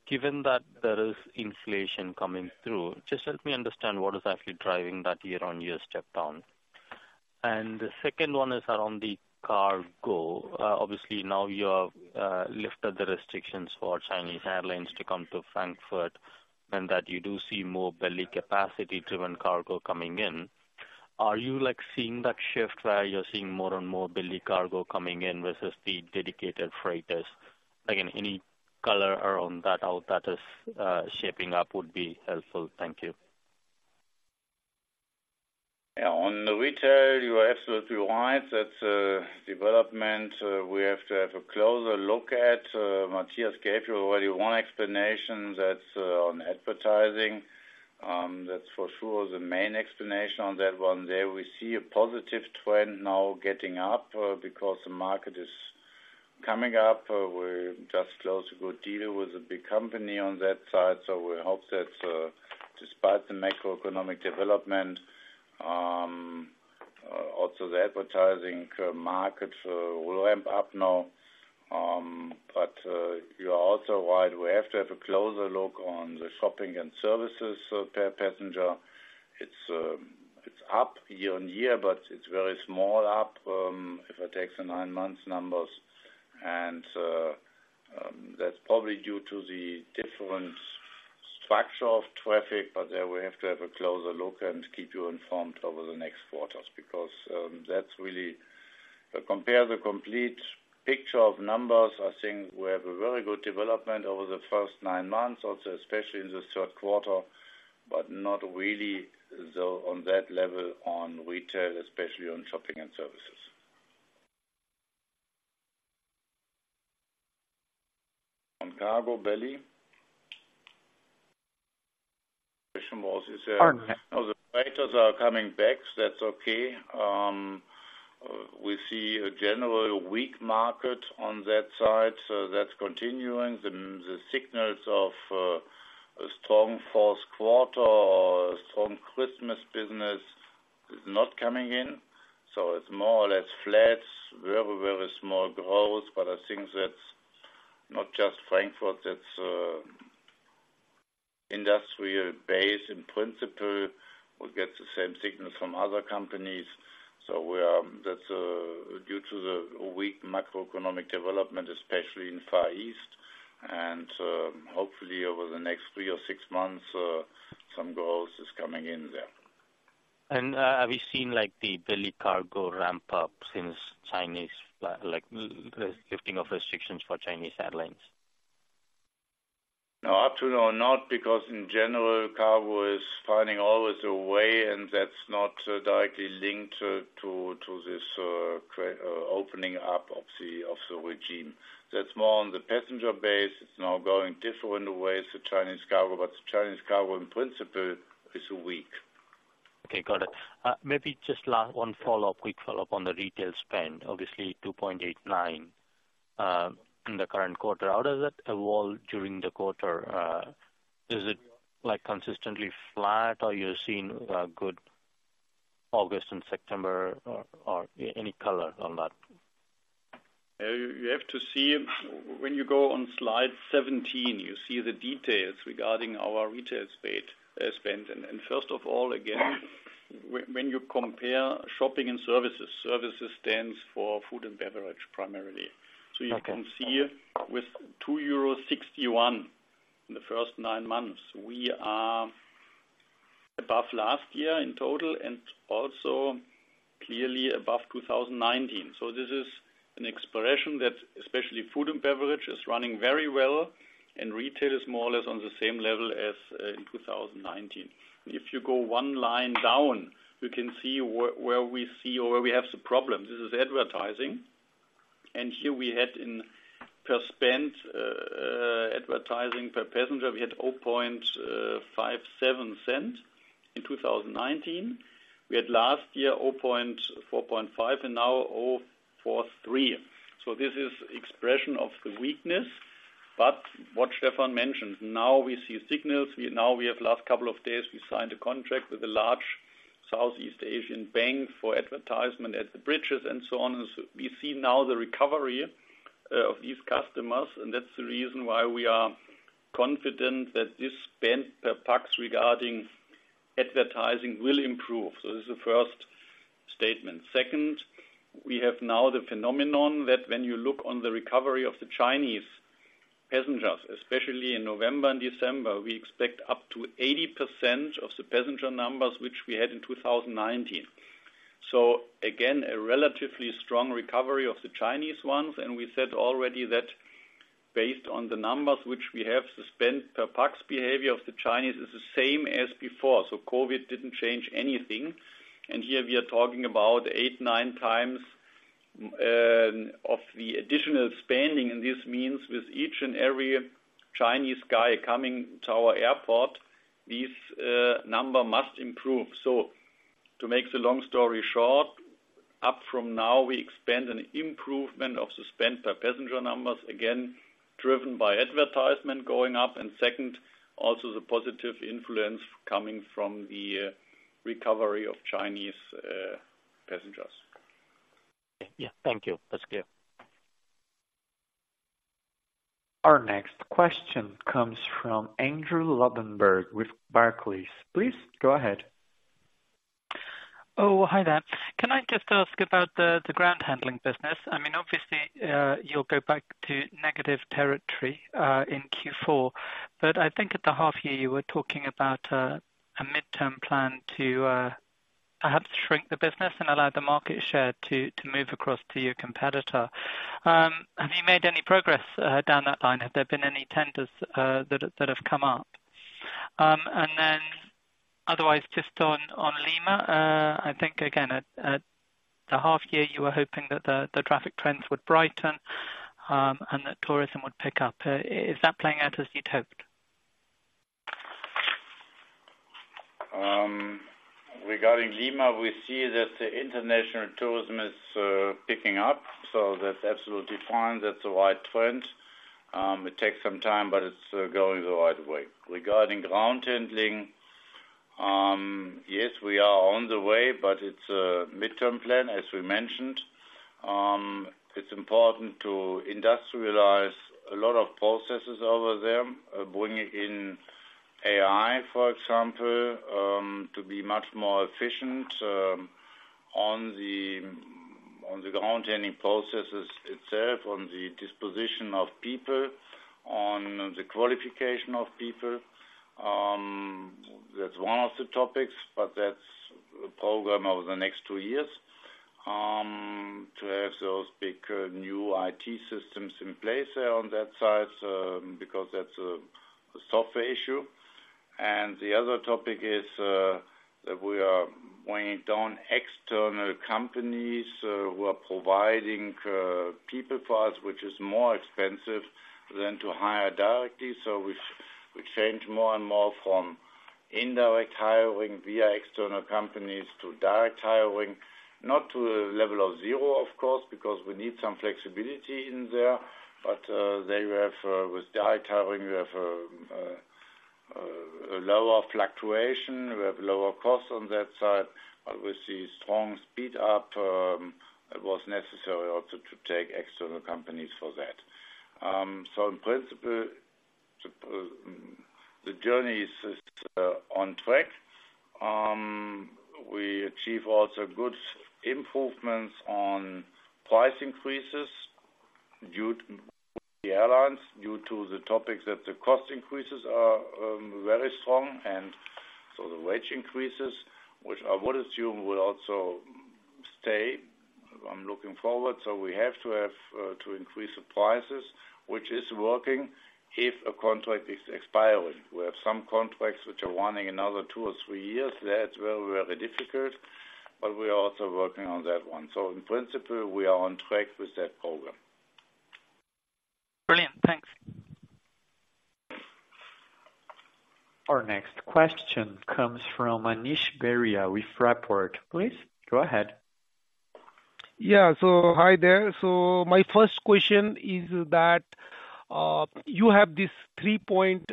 Given that there is inflation coming through, just help me understand what is actually driving that year-on-year step down? And the second one is around the cargo. Obviously, now you have lifted the restrictions for Chinese airlines to come to Frankfurt, and that you do see more belly capacity driven cargo coming in. Are you, like, seeing that shift where you're seeing more and more belly cargo coming in versus the dedicated freighters? Again, any color around that, how that is shaping up would be helpful. Thank you. Yeah, on the retail, you are absolutely right. That's a development we have to have a closer look at. Matthias gave you already one explanation, that's on advertising. That's for sure the main explanation on that one. There we see a positive trend now getting up because the market is coming up. We just closed a good deal with a big company on that side, so we hope that despite the macroeconomic development also the advertising market will ramp up now. But you are also right, we have to have a closer look on the shopping and services per passenger. It's up year-on-year, but it's very small up if I take the nine months numbers, and that's probably due to the different structure of traffic. But there we have to have a closer look and keep you informed over the next quarters. Because, that's really—compare the complete picture of numbers, I think we have a very good development over the first nine months, also, especially in the third quarter, but not really though, on that level on retail, especially on shopping and services. On cargo belly, question was, is, the freighters are coming back. That's okay. We see a general weak market on that side, so that's continuing. The signals of a strong fourth quarter or strong Christmas business is not coming in, so it's more or less flat, very, very small growth. But I think that's not just Frankfurt, that's industrial base in principle. We get the same signals from other companies. That's due to the weak macroeconomic development, especially in Far East, and hopefully over the next three or six months, some growth is coming in there. Have you seen, like, the belly cargo ramp up since Chinese, like, lifting of restrictions for Chinese airlines? No, up to now, not, because in general, cargo is finding always a way, and that's not directly linked to this opening up of the regime. That's more on the passenger base. It's now going different ways to Chinese cargo, but Chinese cargo, in principle, is weak. Okay, got it. Maybe just last one follow-up, quick follow-up on the retail spend, obviously 2.89 in the current quarter. How does that evolve during the quarter? Is it, like, consistently flat, or you're seeing a good August and September, or any color on that? You have to see when you go on slide 17, you see the details regarding our retail spend. First of all, again, when you compare shopping and services, services stands for food and beverage, primarily. Okay. So you can see with 2.61 euros in the first nine months, we are above last year in total and also clearly above 2019. So this is an expression that especially food and beverage is running very well, and retail is more or less on the same level as in 2019. If you go one line down, you can see where we see or where we have some problems. This is advertising, and here we had in per spend, advertising per passenger, we had $0.57 in 2019. We had last year, $0.45, and now, $0.43. So this is expression of the weakness, but what Stefan mentioned, now we see signals. We now, we have last couple of days, we signed a contract with a large Southeast Asian bank for advertisement at the bridges and so on. We see now the recovery of these customers, and that's the reason why we are confident that this spend per pax regarding advertising will improve. So this is the first statement. Second, we have now the phenomenon that when you look on the recovery of the Chinese passengers, especially in November and December, we expect up to 80% of the passenger numbers, which we had in 2019. So again, a relatively strong recovery of the Chinese ones, and we said already that based on the numbers which we have spent, per pax behavior of the Chinese is the same as before. So COVID didn't change anything, and here we are talking about 8x, 9x of the additional spending, and this means with each and every Chinese guy coming to our airport, this number must improve. So to make the long story short, up from now, we expect an improvement of the spend per passenger numbers, again, driven by advertisement going up, and second, also the positive influence coming from the recovery of Chinese passengers. Yeah, thank you. That's clear. Our next question comes from Andrew Lobbenberg, with Barclays. Please go ahead. Oh, hi there. Can I just ask about the ground handling business? I mean, obviously, you'll go back to negative territory in Q4, but I think at the half year, you were talking about a midterm plan to perhaps shrink the business and allow the market share to move across to your competitor. Have you made any progress down that line? Have there been any tenders that have come up? And then otherwise, just on Lima, I think again, at the half year, you were hoping that the traffic trends would brighten, and that tourism would pick up. Is that playing out as you'd hoped? Regarding Lima, we see that the international tourism is picking up, so that's absolutely fine. That's the right trend. It takes some time, but it's going the right way. Regarding ground handling, yes, we are on the way, but it's a midterm plan, as we mentioned. It's important to industrialize a lot of processes over there, bringing in AI, for example, to be much more efficient, on the ground handling processes itself, on the disposition of people, on the qualification of people. That's one of the topics, but that's a program over the next two years, to have those big new IT systems in place on that side, because that's a software issue. And the other topic is that we are weighing down external companies who are providing people for us, which is more expensive than to hire directly. So we, we change more and more from indirect hiring via external companies to direct hiring. Not to a level of zero, of course, because we need some flexibility in there, but they have, with direct hiring, we have a lower fluctuation, we have lower costs on that side, but we see strong speed up. It was necessary also to take external companies for that. So in principle, the journey is on track. We achieve also good improvements on price increases due to the airlines, due to the topics that the cost increases are very strong, and so the wage increases, which I would assume will also stay. I'm looking forward, so we have to have to increase the prices, which is working if a contract is expiring. We have some contracts which are running another two or three years. That's very, very difficult, but we are also working on that one. So in principle, we are on track with that program. Brilliant. Thanks. Our next question comes from Manish Beria with Fraport. Please, go ahead. Yeah, so hi there. So my first question is that, you have this 3.8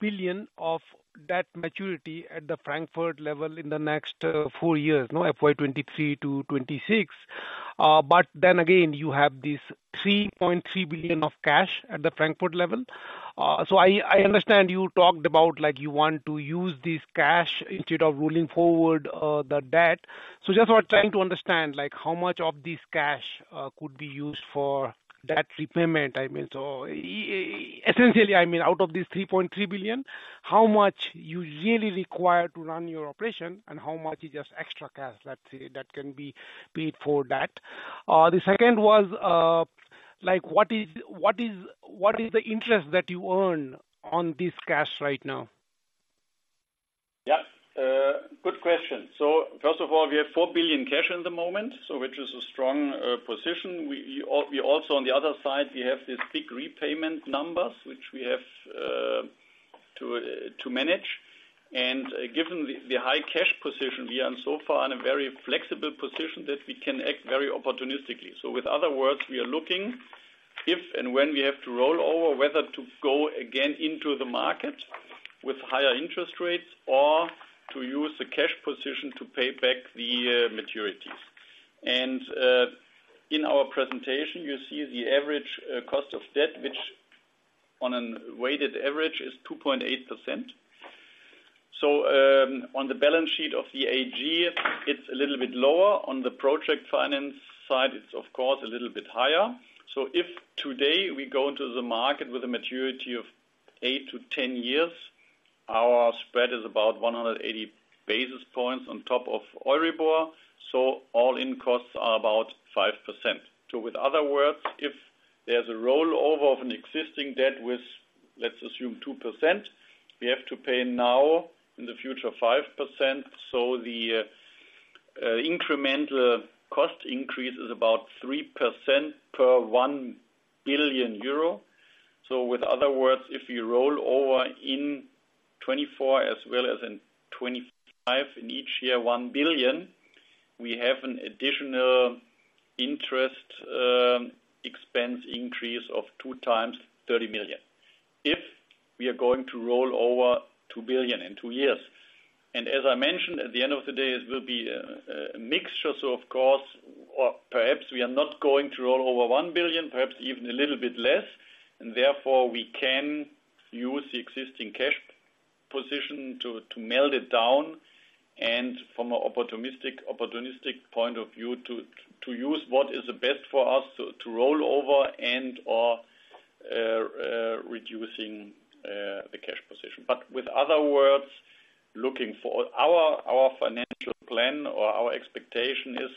billion of that maturity at the Frankfurt level in the next four years, no? FY 2023 to 2026. But then again, you have this 3.3 billion of cash at the Frankfurt level. So I understand you talked about, like, you want to use this cash instead of rolling forward the debt. So just trying to understand, like, how much of this cash could be used for debt repayment? I mean, so essentially, I mean, out of this 3.3 billion, how much you really require to run your operation and how much is just extra cash, let's say, that can be paid for that? The second was, like, what is the interest that you earn on this cash right now? Yeah, good question. So first of all, we have 4 billion cash at the moment, so which is a strong position. We, we also on the other side, we have these big repayment numbers, which we have to, to manage. And given the, the high cash position, we are so far in a very flexible position that we can act very opportunistically. So with other words, we are looking if and when we have to roll over, whether to go again into the market with higher interest rates or to use the cash position to pay back the, maturity. And, in our presentation, you see the average cost of debt, which on a weighted average is 2.8%. So, on the balance sheet of the AG, it's a little bit lower. On the project finance side, it's of course a little bit higher. So if today we go into the market with a maturity of eight to 10 years, our spread is about 180 basis points on top of Euribor, so all-in costs are about 5%. So with other words, if there's a rollover of an existing debt with, let's assume, 2%, we have to pay now in the future, 5%. So the incremental cost increase is about 3% per 1 billion euro. So with other words, if you roll over in 2024 as well as in 2025, in each year, 1 billion, we have an additional interest expense increase of 2x 30 million. If we are going to roll over 2 billion in two years, and as I mentioned, at the end of the day, it will be a mixture. So of course, or perhaps we are not going to roll over 1 billion, perhaps even a little bit less, and therefore we can use the existing cash position to meld it down and from an opportunistic, opportunistic point of view, to use what is best for us to roll over and, or, reducing the cash position. But with other words, looking for our financial plan or our expectation is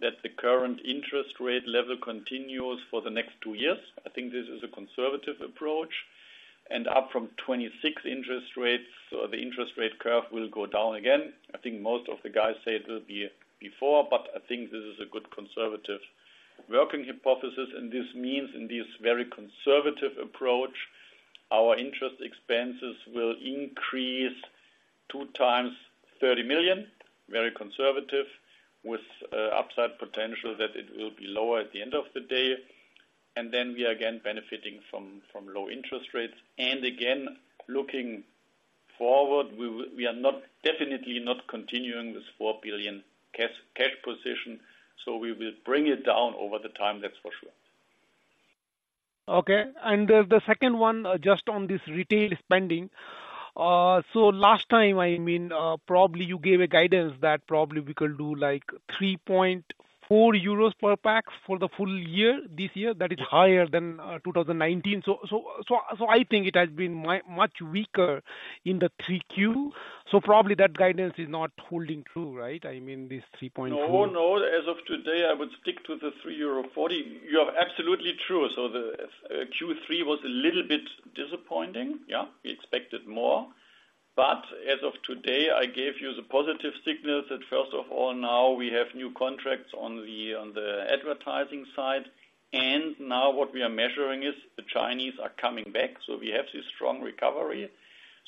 that the current interest rate level continues for the next two years. I think this is a conservative approach, and up from 2026 interest rates, so the interest rate curve will go down again. I think most of the guys say it will be before, but I think this is a good conservative working hypothesis, and this means in this very conservative approach, our interest expenses will increase 2x 30 million, very conservative, with upside potential that it will be lower at the end of the day. And then we are again benefiting from low interest rates. And again, looking forward, we will, we are not, definitely not continuing this 4 billion cash position, so we will bring it down over time. That's for sure. Okay, and the second one, just on this retail spending. So last time, I mean, probably you gave a guidance that probably we could do, like, 3.4 euros per pax for the full year, this year. That is higher than 2019. So, so, so, so I think it has been much weaker in the 3Q. So probably that guidance is not holding true, right? I mean, this 3.4. No, no. As of today, I would stick to the 3.40 euro. You are absolutely true. So the Q3 was a little bit disappointing. Yeah, we expected more, but as of today, I gave you the positive signals that first of all, now we have new contracts on the advertising side, and now what we are measuring is the Chinese are coming back, so we have this strong recovery.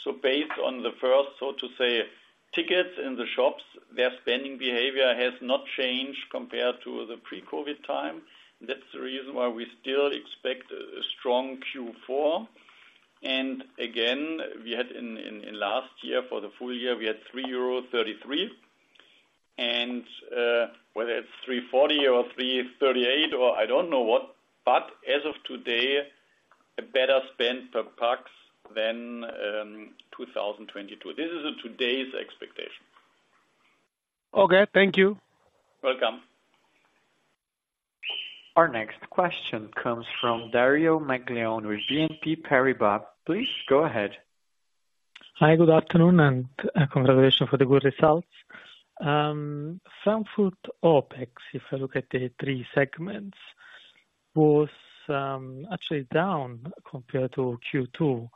So based on the first, so to say, tickets in the shops, their spending behavior has not changed compared to the pre-COVID time. That's the reason why we still expect a strong Q4. And again, we had last year, for the full year, we had 3.33 euro, and whether it's 3.40 or 3.38 or I don't know what, but as of today, a better spend per pax than 2022. This is today's expectation. Okay, thank you. Welcome. Our next question comes from Dario Maglione with BNP Paribas. Please go ahead. Hi, good afternoon, and congratulations for the good results. Frankfurt OpEx, if I look at the three segments, was actually down compared to Q2,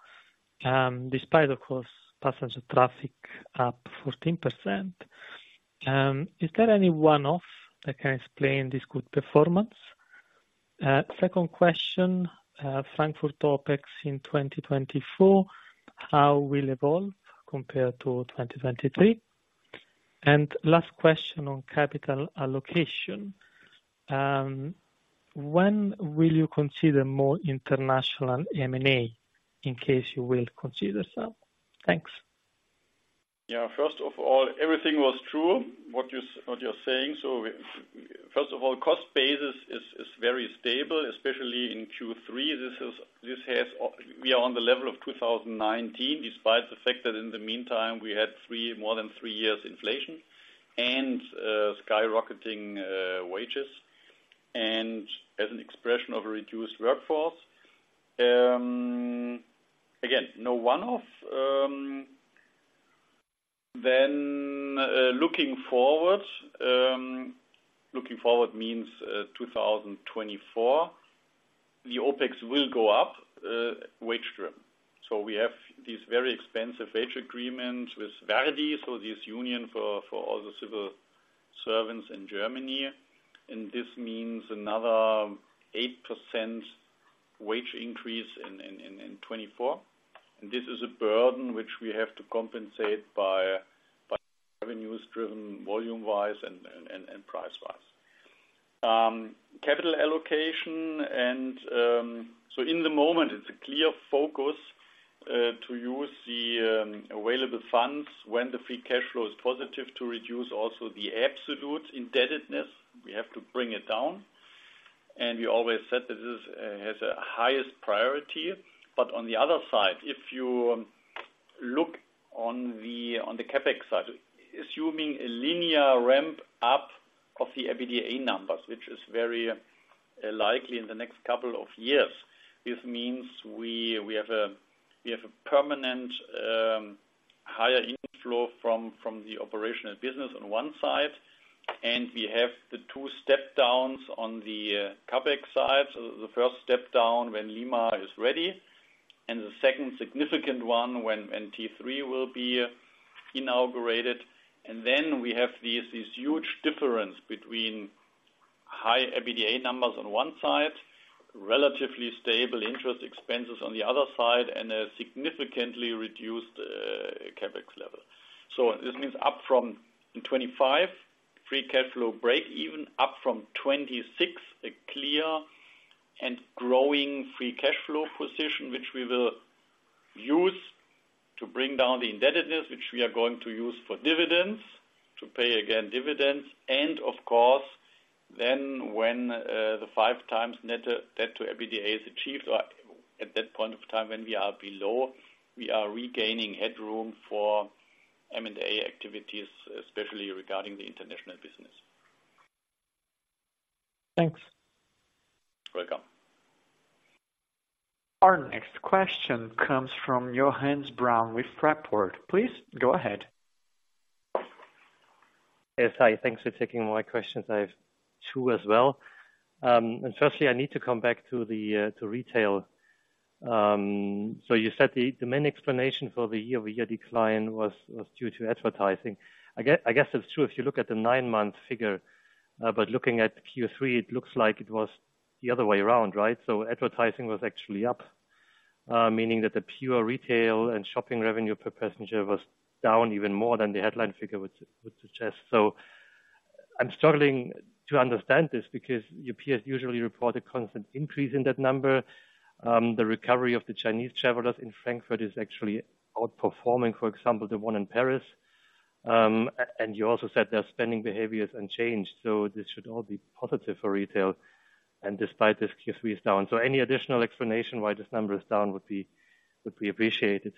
despite, of course, passenger traffic up 14%. Is there any one-off that can explain this good performance? Second question, Frankfurt OpEx in 2024, how will evolve compared to 2023? Last question on capital allocation. When will you consider more international M&A, in case you will consider some? Thanks. Yeah, first of all, everything was true, what you're saying. First of all, cost basis is very stable, especially in Q3. This is, we are on the level of 2019, despite the fact that in the meantime, we had more than three years inflation and skyrocketing wages, and as an expression of a reduced workforce. Again, no one-off. Then, looking forward means 2024, the OpEx will go up, wage driven. So we have these very expensive wage agreements with ver.di, so this union for all the civil servants in Germany, and this means another 8% wage increase in 2024. And this is a burden which we have to compensate by revenues driven volume-wise and price-wise. Capital allocation and so in the moment, it's a clear focus to use the available funds when the free cash flow is positive, to reduce also the absolute indebtedness. We have to bring it down, and we always said that this has a highest priority. But on the other side, if you look on the CapEx side, assuming a linear ramp up of the EBITDA numbers, which is very likely in the next couple of years, this means we have a permanent higher inflow from the operational business on one side, and we have the two step downs on the CapEx side. So the first step down when Lima is ready, and the second significant one, when T3 will be inaugurated. And then we have this, this huge difference between high EBITDA numbers on one side, relatively stable interest expenses on the other side, and a significantly reduced CapEx level. So this means up from 25, free cash flow break-even, up from 26, a clear and growing free cash flow position, which we will use to bring down the indebtedness, which we are going to use for dividends, to pay again, dividends. And of course, then when the 5x net debt to EBITDA is achieved, or at that point of time when we are below, we are regaining headroom for M&A activities, especially regarding the international business. Thanks. Welcome. Our next question comes from Johannes Braun with Fraport. Please go ahead. Yes, hi. Thanks for taking my questions. I have two as well. And firstly, I need to come back to the, to retail. So you said the main explanation for the year-over-year decline was due to advertising. I guess it's true if you look at the nine-month figure, but looking at Q3, it looks like it was the other way around, right? So advertising was actually up, meaning that the pure retail and shopping revenue per passenger was down even more than the headline figure would suggest. So I'm struggling to understand this, because your peers usually report a constant increase in that number. The recovery of the Chinese travelers in Frankfurt is actually outperforming, for example, the one in Paris. And you also said their spending behaviors unchanged, so this should all be positive for retail, and despite this, Q3 is down. So any additional explanation why this number is down would be appreciated.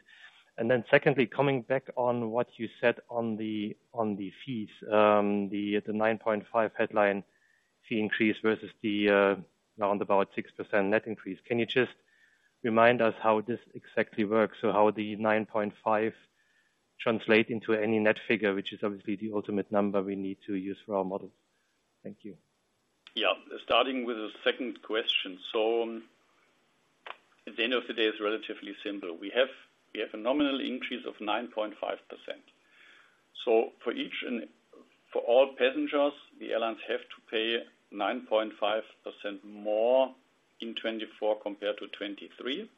And then secondly, coming back on what you said on the fees, the 9.5% headline fee increase versus the about 6% net increase. Can you just remind us how this exactly works? So how the 9.5% translates into any net figure, which is obviously the ultimate number we need to use for our model. Thank you. Yeah, starting with the second question. So at the end of the day, it's relatively simple. We have a nominal increase of 9.5%. So for each and—for all passengers, the airlines have to pay 9.5% more in 2024 compared to 2023,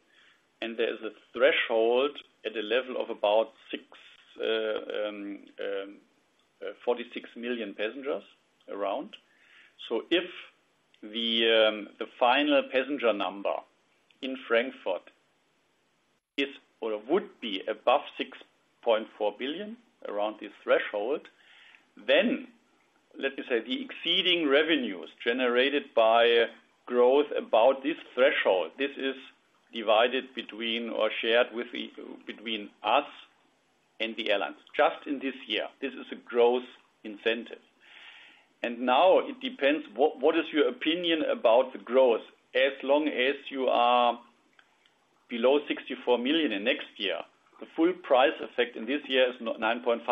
and there is a threshold at a level of about 46 million passengers around. So if the final passenger number in Frankfurt is or would be above $6.4 billion around this threshold, then let me say, the exceeding revenues generated by growth about this threshold, this is divided between or shared with the between us and the airlines, just in this year. This is a growth incentive. And now it depends, what is your opinion about the growth? As long as you are below $64 million next year, the full price effect in this year is 9.5%.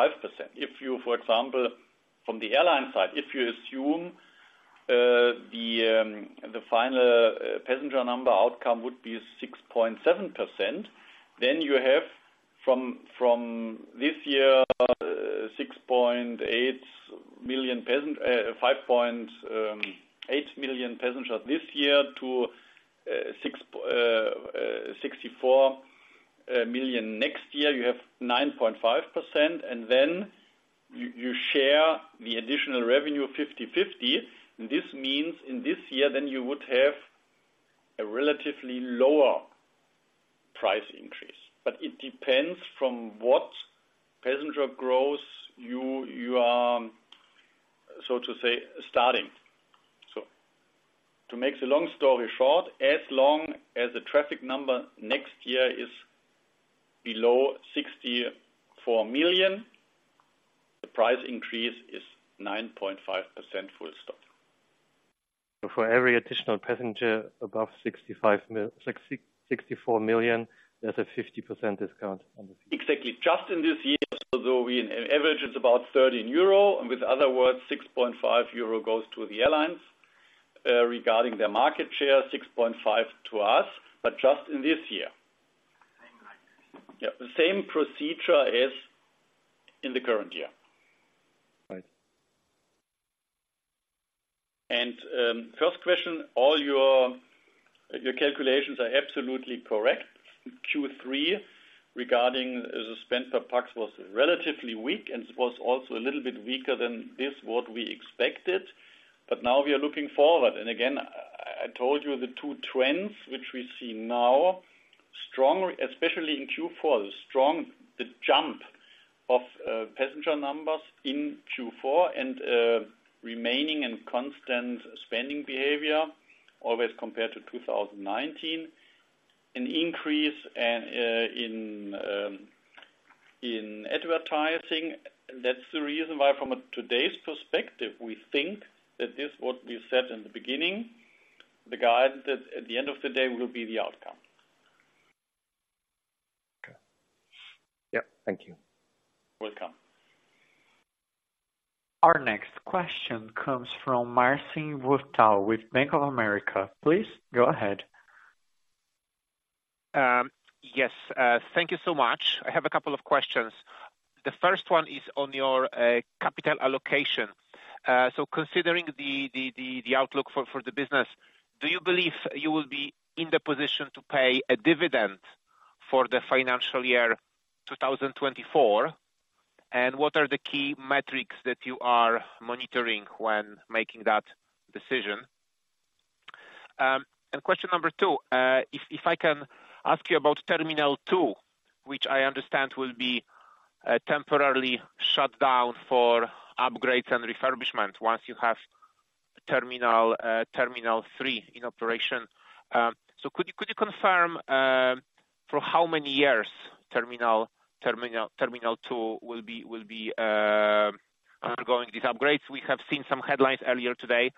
If you, for example, from the airline side, if you assume the final passenger number outcome would be 6.7%, then you have from this year 5.8 million passengers this year to 64 million next year, you have 9.5%, and then you share the additional revenue 50/50. This means in this year, then you would have a relatively lower price increase. But it depends from what passenger growth you, you are, so to say, starting. To make the long story short, as long as the traffic number next year is below 64 million, the price increase is 9.5%, full stop. For every additional passenger above 64 million, there's a 50% discount on the- Exactly. Just in this year, so though in an average, it's about 13 euro, and with other words, 6.5 euro goes to the airlines, regarding their market share, 6.5 to us, but just in this year. Same like this. Yeah, the same procedure as in the current year. Right. Your calculations are absolutely correct. Q3, regarding the spend per pax was relatively weak and was also a little bit weaker than what we expected, but now we are looking forward. Again, I told you the two trends which we see now, strong, especially in Q4, strong, the jump of passenger numbers in Q4 and remaining and constant spending behavior, always compared to 2019. An increase and in advertising, that's the reason why, from today's perspective, we think that what we said in the beginning, the guidance at the end of the day will be the outcome. Okay. Yep, thank you. Welcome. Our next question comes from Marcin Wojtal with Bank of America. Please go ahead. Yes, thank you so much. I have a couple of questions. The first one is on your capital allocation. So considering the outlook for the business, do you believe you will be in the position to pay a dividend for the financial year 2024? And what are the key metrics that you are monitoring when making that decision? And question number two, if I can ask you about Terminal 2, which I understand will be temporarily shut down for upgrades and refurbishment once you have Terminal 3 in operation. So could you confirm for how many years Terminal 2 will be undergoing these upgrades? We have seen some headlines earlier today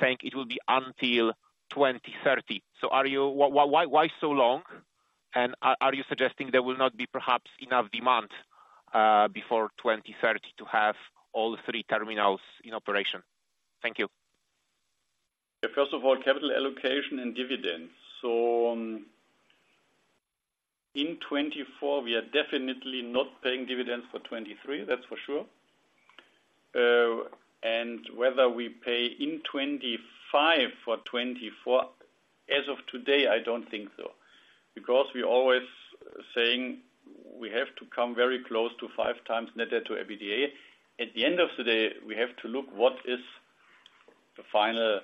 saying it will be until 2030. So are you, why, why so long, and are you suggesting there will not be perhaps enough demand before 2030 to have all three terminals in operation? Thank you. First of all, capital allocation and dividends. So, in 2024, we are definitely not paying dividends for 2023, that's for sure. And whether we pay in 2025 for 2024, as of today, I don't think so because we're always saying we have to come very close to 5x net debt-to-EBITDA. At the end of the day, we have to look what is the final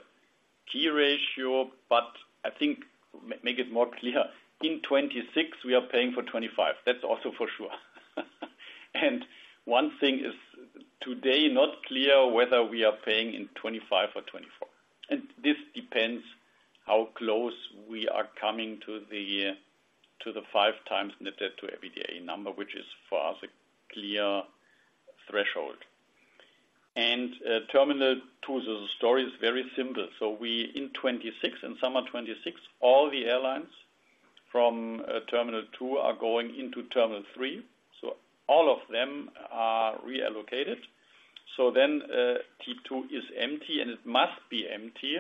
key ratio, but I think, make it more clear, in 2026, we are paying for 2025. That's also for sure. And one thing is today, not clear whether we are paying in 2025 or 2024. And this depends how close we are coming to the, to the 5x net debt-to-EBITDA number, which is for us, a clear threshold. And Terminal 2, the story is very simple. So we, in 2026, in summer 2026, all the airlines from Terminal 2 are going into Terminal 3, so all of them are reallocated. So then, T2 is empty, and it must be empty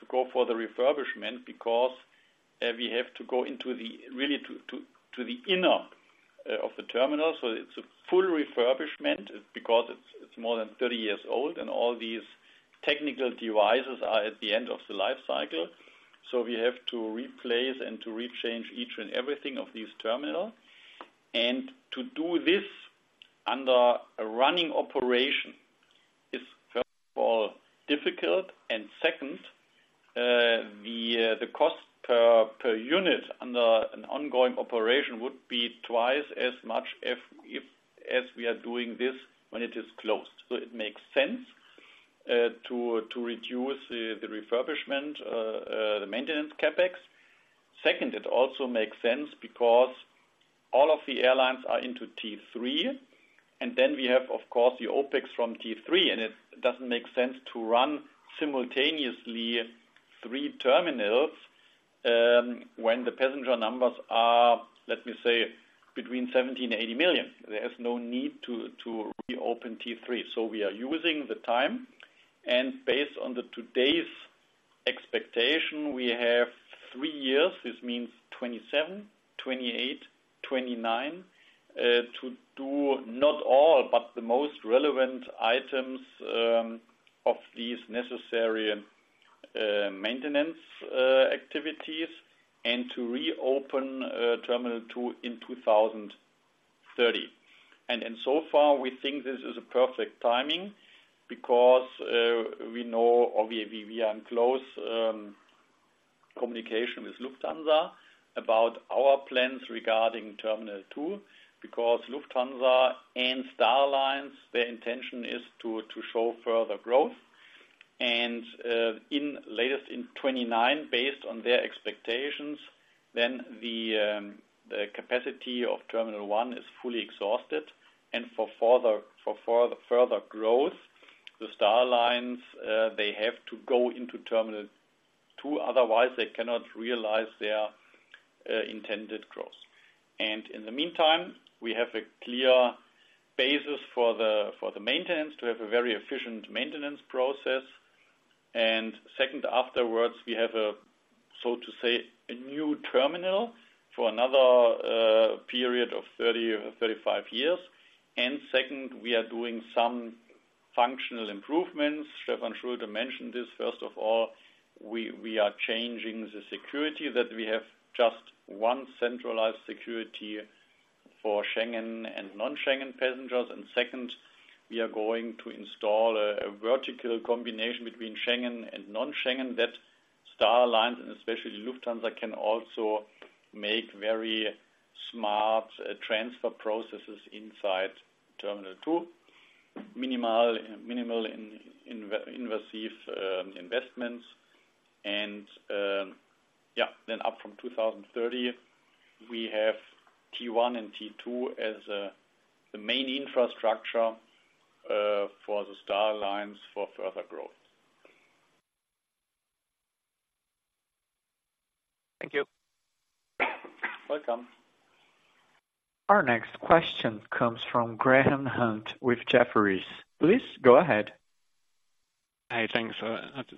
to go for the refurbishment because we have to go into the really to the inner of the terminal. So it's a full refurbishment because it's more than 30 years old, and all these technical devices are at the end of the life cycle. So we have to replace and to rechange each and everything of this terminal. And to do this under a running operation is, first of all, difficult, and second, the cost per unit under an ongoing operation would be twice as much if, as we are doing this when it is closed. So it makes sense to reduce the refurbishment, the maintenance CapEx. Second, it also makes sense because all of the airlines are into T3, and then we have, of course, the OpEx from T3, and it doesn't make sense to run simultaneously three terminals, when the passenger numbers are, let me say, between 70 and 80 million. There is no need to reopen T3. So we are using the time, and based on today's expectation, we have three years. This means 2027, 2028, 2029, to do not all, but the most relevant items, of these necessary maintenance activities, and to reopen Terminal 2 in 2030. So far, we think this is a perfect timing because we are in close communication with Lufthansa about our plans regarding Terminal 2, because Lufthansa and Star Alliance, their intention is to show further growth. In 2029, based on their expectations, the capacity of Terminal 1 is fully exhausted. For further growth, the Star Alliance they have to go into Terminal 2, otherwise they cannot realize their intended growth. In the meantime, we have a clear basis for the maintenance to have a very efficient maintenance process. Second, afterwards, we have a, so to say, a new terminal for another period of 30-35 years. Second, we are doing some functional improvements. Stefan Schulte mentioned this. First of all, we are changing the security that we have just one centralized security for Schengen and non-Schengen passengers. And second, we are going to install a vertical combination between Schengen and non-Schengen that Star Alliance, and especially Lufthansa, can also make very smart transfer processes inside Terminal 2. Minimal, minimally invasive investments. And, yeah, then up from 2030, we have T1 and T2 as the main infrastructure for the Star Alliance for further growth. Thank you. Welcome. Our next question comes from Graham Hunt with Jefferies. Please go ahead. Hey, thanks.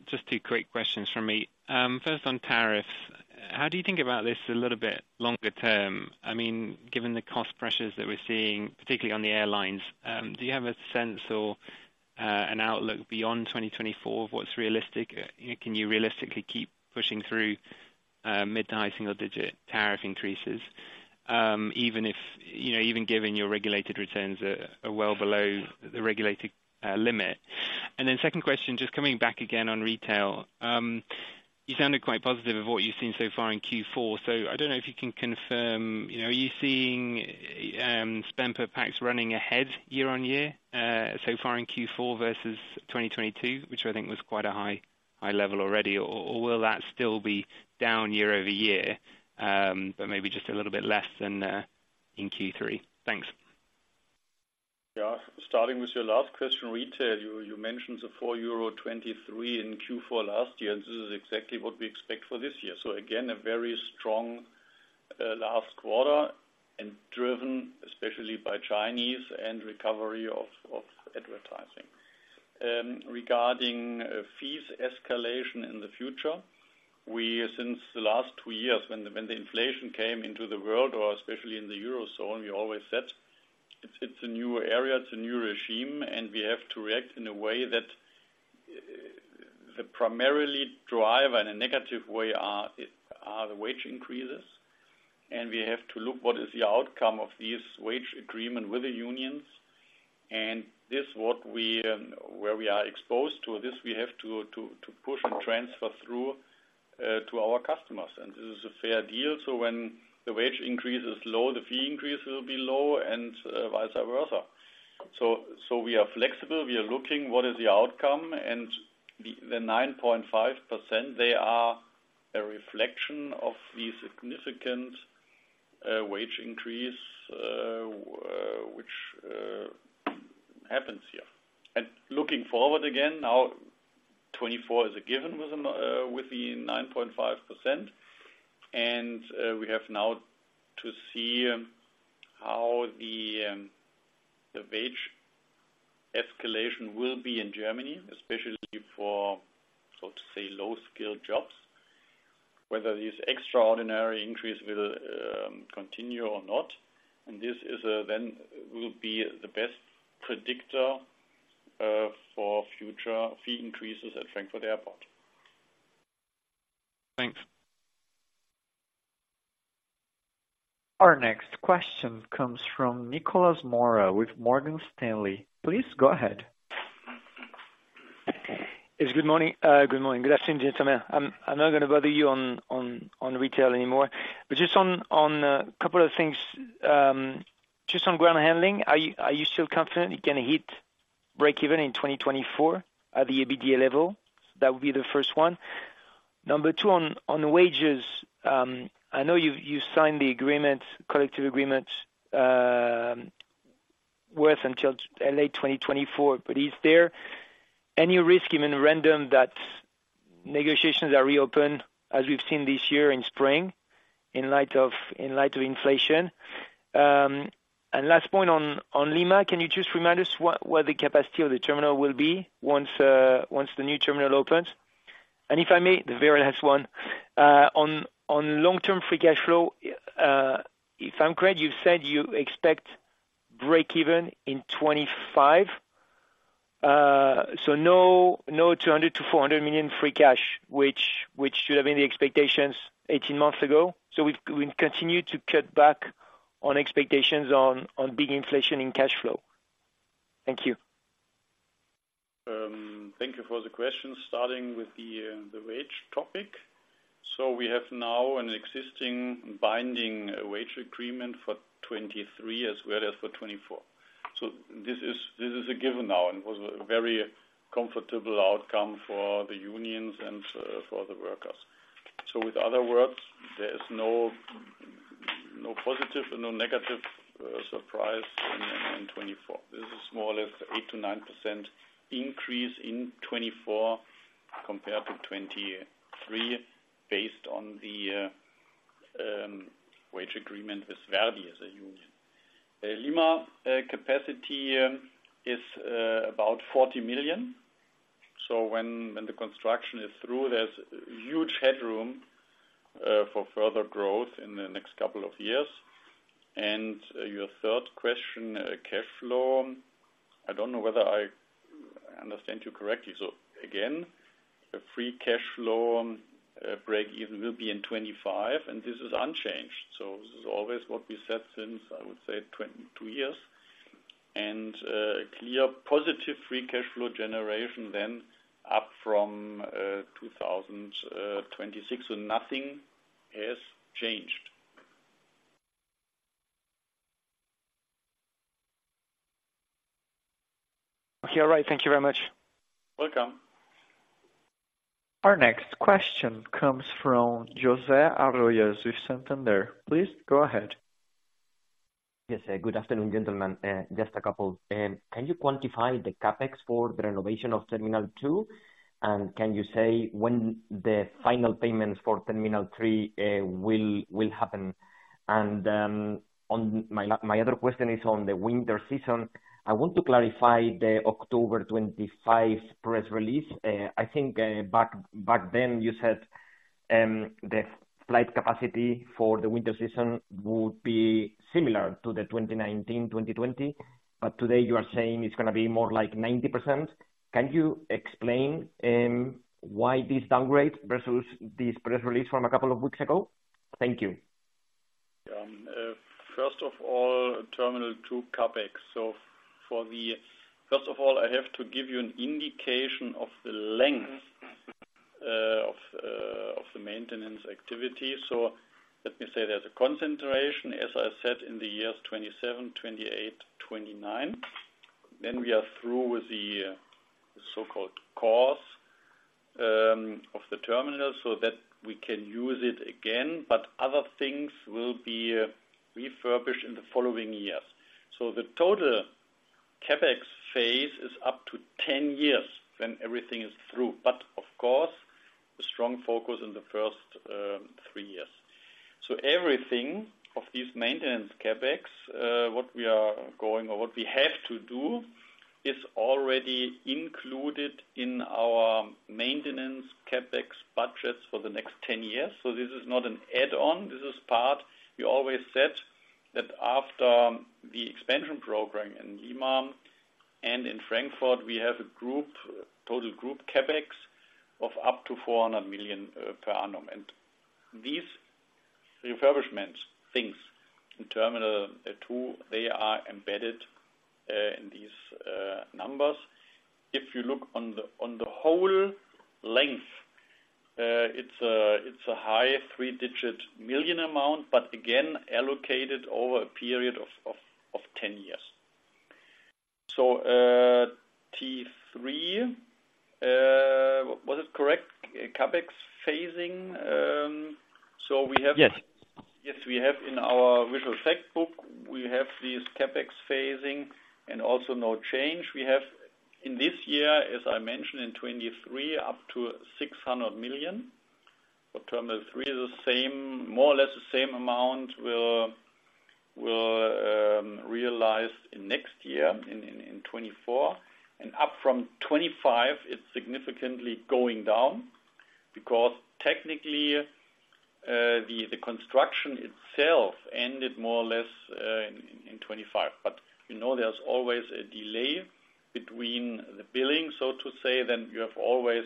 Just two quick questions from me. First on tariffs, how do you think about this a little bit longer term? I mean, given the cost pressures that we're seeing, particularly on the airlines, do you have a sense or an outlook beyond 2024 of what's realistic? Can you realistically keep pushing through mid to high single digit tariff increases, even if, you know, even given your regulated returns are well below the regulated limit? And then second question, just coming back again on retail. You sounded quite positive of what you've seen so far in Q4. I don't know if you can confirm, you know, are you seeing spend per packs running ahead year on year so far in Q4 versus 2022, which I think was quite a high, high level already, or, or will that still be down year-over-year but maybe just a little bit less than in Q3? Thanks. Yeah. Starting with your last question, retail, you mentioned the 4.23 euro in Q4 last year, and this is exactly what we expect for this year. So again, a very strong last quarter, and driven especially by Chinese and recovery of advertising. Regarding fees escalation in the future, since the last two years, when the inflation came into the world, or especially in the Eurozone, we always said, it's a new area, it's a new regime, and we have to react in a way that primarily drive in a negative way are the wage increases. And we have to look what is the outcome of these wage agreement with the unions. And this what we where we are exposed to, this we have to push and transfer through to our customers, and this is a fair deal. So when the wage increase is low, the fee increase will be low and vice versa. So we are flexible, we are looking what is the outcome and the 9.5%, they are a reflection of the significant wage increase which happens here. And looking forward again, now 2024 is a given with them with the 9.5%, and we have now to see how the wage escalation will be in Germany, especially for, so to say, low-skilled jobs. Whether this extraordinary increase will continue or not, and this is then will be the best predictor for future fee increases at Frankfurt Airport. Thanks. Our next question comes from Nicolas Mora with Morgan Stanley. Please go ahead. Yes, good morning, good morning. Good afternoon, gentlemen. I'm not going to bother you on retail anymore, but just on a couple of things. Just on ground handling, are you still confident you're going to hit break even in 2024 at the EBITDA level? That would be the first one. Number two, on wages, I know you signed the agreement, collective agreement worth until late 2024, but is there any risk in Germany that negotiations are reopened, as we've seen this year in spring, in light of inflation? And last point on Lima, can you just remind us what the capacity of the terminal will be once the new terminal opens? If I may, the very last one, on long-term free cash flow, if I'm correct, you've said you expect break even in 2025. So no 200 million-400 million free cash, which should have been the expectations 18 months ago. So we've continued to cut back on expectations on big inflation in cash flow. Thank you. Thank you for the question. Starting with the wage topic. So we have now an existing binding wage agreement for 2023 as well as for 2024. So this is a given now, and it was a very comfortable outcome for the unions and for the workers. So with other words, there is no positive and no negative surprise in 2024. This is more or less 8%-9% increase in 2024 compared to 2023, based on the wage agreement with ver.di as a union. Lima capacity is about $40 million, so when the construction is through, there's huge headroom for further growth in the next couple of years. And your third question, cash flow, I don't know whether I understand you correctly. So again, the Free Cash Flow breakeven will be in 2025, and this is unchanged. So this is always what we said since, I would say, 22 years. And clear positive free cash flow generation then up from 2026. So nothing has changed. Okay. All right, thank you very much. Welcome. Our next question comes from José Arroyas with Santander. Please go ahead. Yes, good afternoon, gentlemen. Just a couple. Can you quantify the CapEx for the renovation of Terminal 2? And can you say when the final payments for Terminal 3 will happen? And on my other question is on the winter season. I want to clarify the October 25 press release. I think back then, you said the flight capacity for the winter season would be similar to the 2019, 2020, but today you are saying it's gonna be more like 90%. Can you explain why this downgrade versus this press release from a couple of weeks ago? Thank you. First of all, Terminal 2 CapEx. So for the, first of all, I have to give you an indication of the length of the maintenance activity. So let me say there's a concentration, as I said, in the years 2027, 2028, 2029. Then we are through with the so-called cause of the terminal so that we can use it again, but other things will be refurbished in the following years. So the total CapEx phase is up to 10 years when everything is through, but of course, a strong focus in the first three years. So everything of this maintenance CapEx, what we are going or what we have to do, is already included in our maintenance CapEx budgets for the next 10 years. So this is not an add-on, this is part. We always said that after the expansion program in Lima and in Frankfurt, we have a group, total group CapEx of up to 400 million per annum. And these refurbishment things in Terminal 2, they are embedded in these numbers. If you look on the whole length, it's a high three-digit million amount, but again, allocated over a period of 10 years. So, T3, was it correct? CapEx phasing, so we have- Yes. Yes, we have in our visual fact book, we have this CapEx phasing and also no change. We have in this year, as I mentioned, in 2023, up to 600 million. But Terminal 3 is the same, more or less the same amount we'll realize in next year, in 2024, and up from 2025, it's significantly going down because technically, the construction itself ended more or less in 2025. But you know, there's always a delay between the billing, so to say, then you have always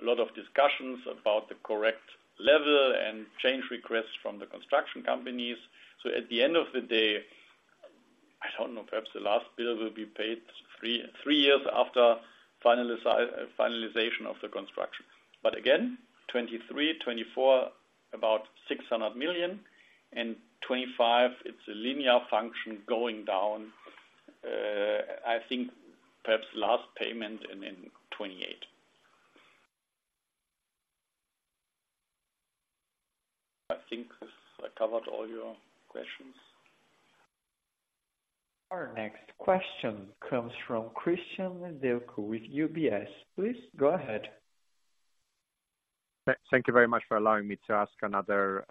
a lot of discussions about the correct level and change requests from the construction companies. So at the end of the day, I don't know, perhaps the last bill will be paid three years after finalization of the construction. But again, 2023, 2024, about 600 million, and 2025, it's a linear function going down, I think, perhaps last payment in 2028. I think I covered all your questions. Our next question comes from Cristian Nedelcu with UBS. Please go ahead. Thank you very much for allowing me to ask another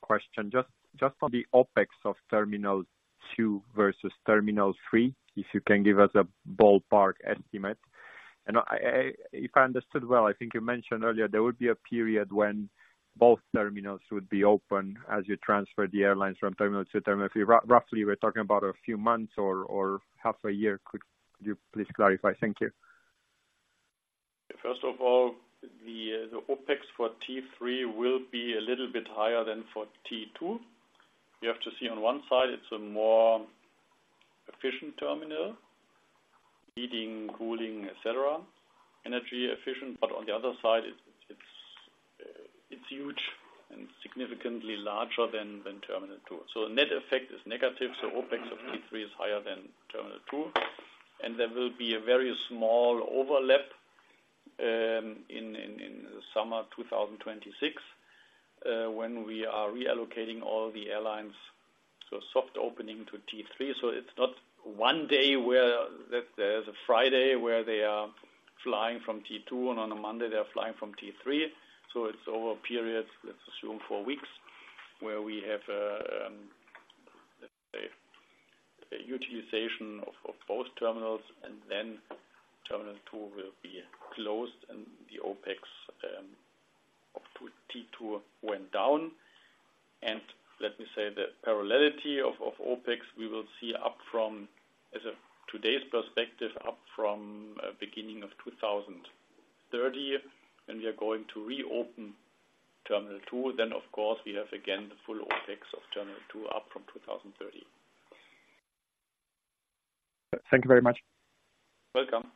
question. Just on the OpEx of Terminal 2 versus Terminal 3, if you can give us a ballpark estimate. And I, if I understood well, I think you mentioned earlier, there would be a period when both terminals would be open as you transfer the airlines from terminal to terminal. Roughly, we're talking about a few months or half a year. Could you please clarify? Thank you. First of all, the OpEx for T3 will be a little bit higher than for T2. You have to see on one side, it's a more efficient terminal, heating, cooling, et cetera, energy efficient, but on the other side, it's huge and significantly larger than Terminal 2. So the net effect is negative, so OpEx of T3 is higher than Terminal 2, and there will be a very small overlap in the summer of 2026, when we are reallocating all the airlines, so soft opening to T3. So it's not one day where there's a Friday where they are flying from T2, and on a Monday, they are flying from T3. So it's over a period, let's assume four weeks, where we have utilization of both terminals, and then Terminal 2 will be closed and the OpEx of T2 went down. And let me say, the parallelity of OpEx, we will see up from, as of today's perspective, up from beginning of 2030, and we are going to reopen Terminal 2, then, of course, we have again the full OpEx of Terminal 2, up from 2030. Thank you very much. Welcome.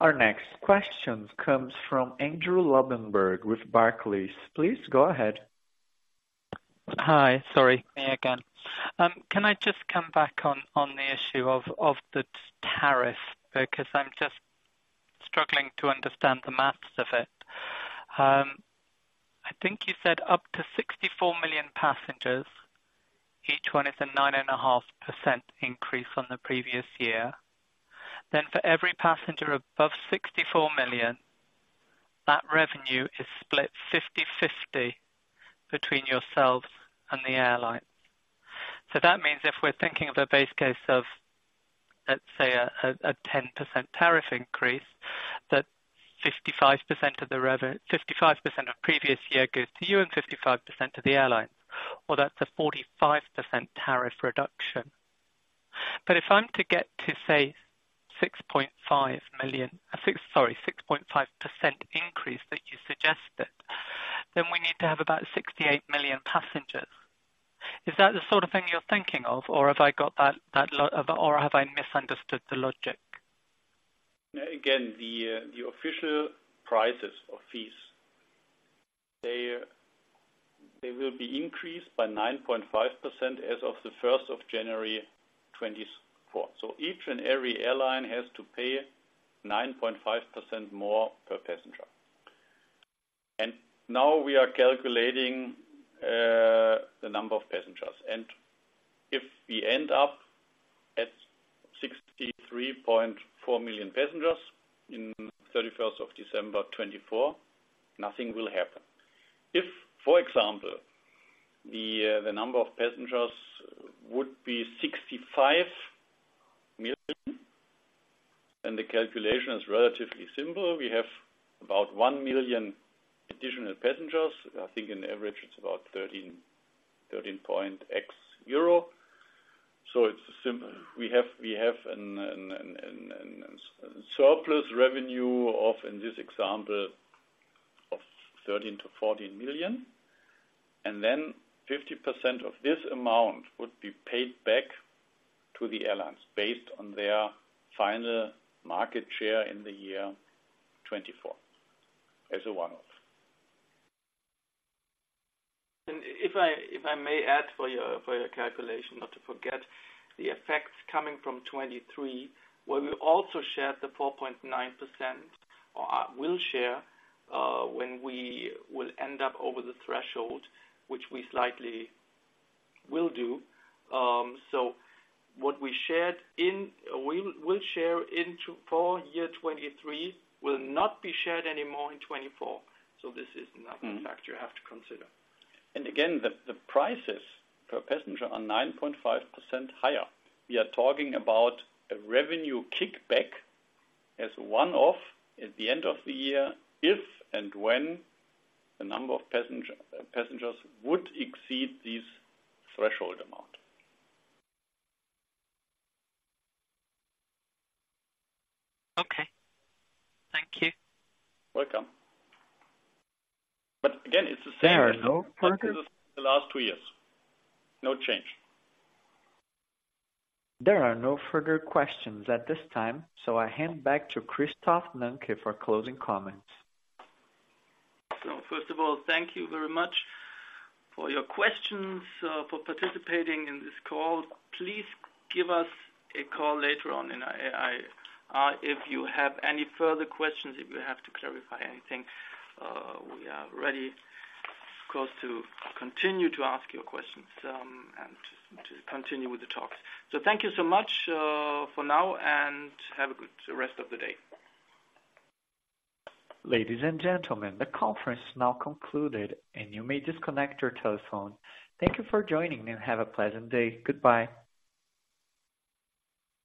Our next question comes from Andrew Lobbenberg with Barclays. Please go ahead. Hi, sorry, me again. Can I just come back on the issue of the tariff? Because I'm just struggling to understand the maths of it. I think you said up to 64 million passengers, each one is a 9.5% increase from the previous year. Then for every passenger above 64 million, that revenue is split 50/50 between yourself and the airline. So that means if we're thinking of a base case of, let's say, a 10% tariff increase, that 55% of previous year goes to you and 55% to the airlines. Well, that's a 45% tariff reduction. But if I'm to get to, say, 6.5% increase that you suggested, then we need to have about 68 million passengers. Is that the sort of thing you're thinking of, or have I got that, or have I misunderstood the logic? Again, the, the official prices or fees, they, they will be increased by 9.5% as of the first of January 2024. So each and every airline has to pay 9.5% more per passenger. And now we are calculating, the number of passengers, and if we end up at 63.4 million passengers in 31st of December 2024, nothing will happen. If, for example, the, the number of passengers would be 65 million, then the calculation is relatively simple. We have about 1 million additional passengers. I think in average, it's about 13, 13 point x. So it's simple. We have a surplus revenue of, in this example, 13 million-14 million, and then 50% of this amount would be paid back to the airlines based on their final market share in the year 2024, as a one-off. If I, if I may add for your, for your calculation, not to forget the effects coming from 2023, where we also shared the 4.9%, or will share, when we will end up over the threshold, which we slightly will do. So what we shared in—we will share in for year 2023, will not be shared anymore in 2024. So this is another factor you have to consider. Again, the prices per passenger are 9.5% higher. We are talking about a revenue kickback as a one-off at the end of the year, if and when the number of passengers would exceed this threshold amount. Okay. Thank you. Welcome. But again, it's the same- There are no further- The last two years, no change. There are no further questions at this time, so I hand back to Christoph Nanke for closing comments. So first of all, thank you very much for your questions, for participating in this call. Please give us a call later on, and if you have any further questions, if you have to clarify anything, we are ready, of course, to continue to ask your questions, and to continue with the talks. So thank you so much, for now, and have a good rest of the day. Ladies and gentlemen, the conference is now c oncluded, and you may disconnect your telephone. Thank you for joining, and have a pleasant day. Goodbye.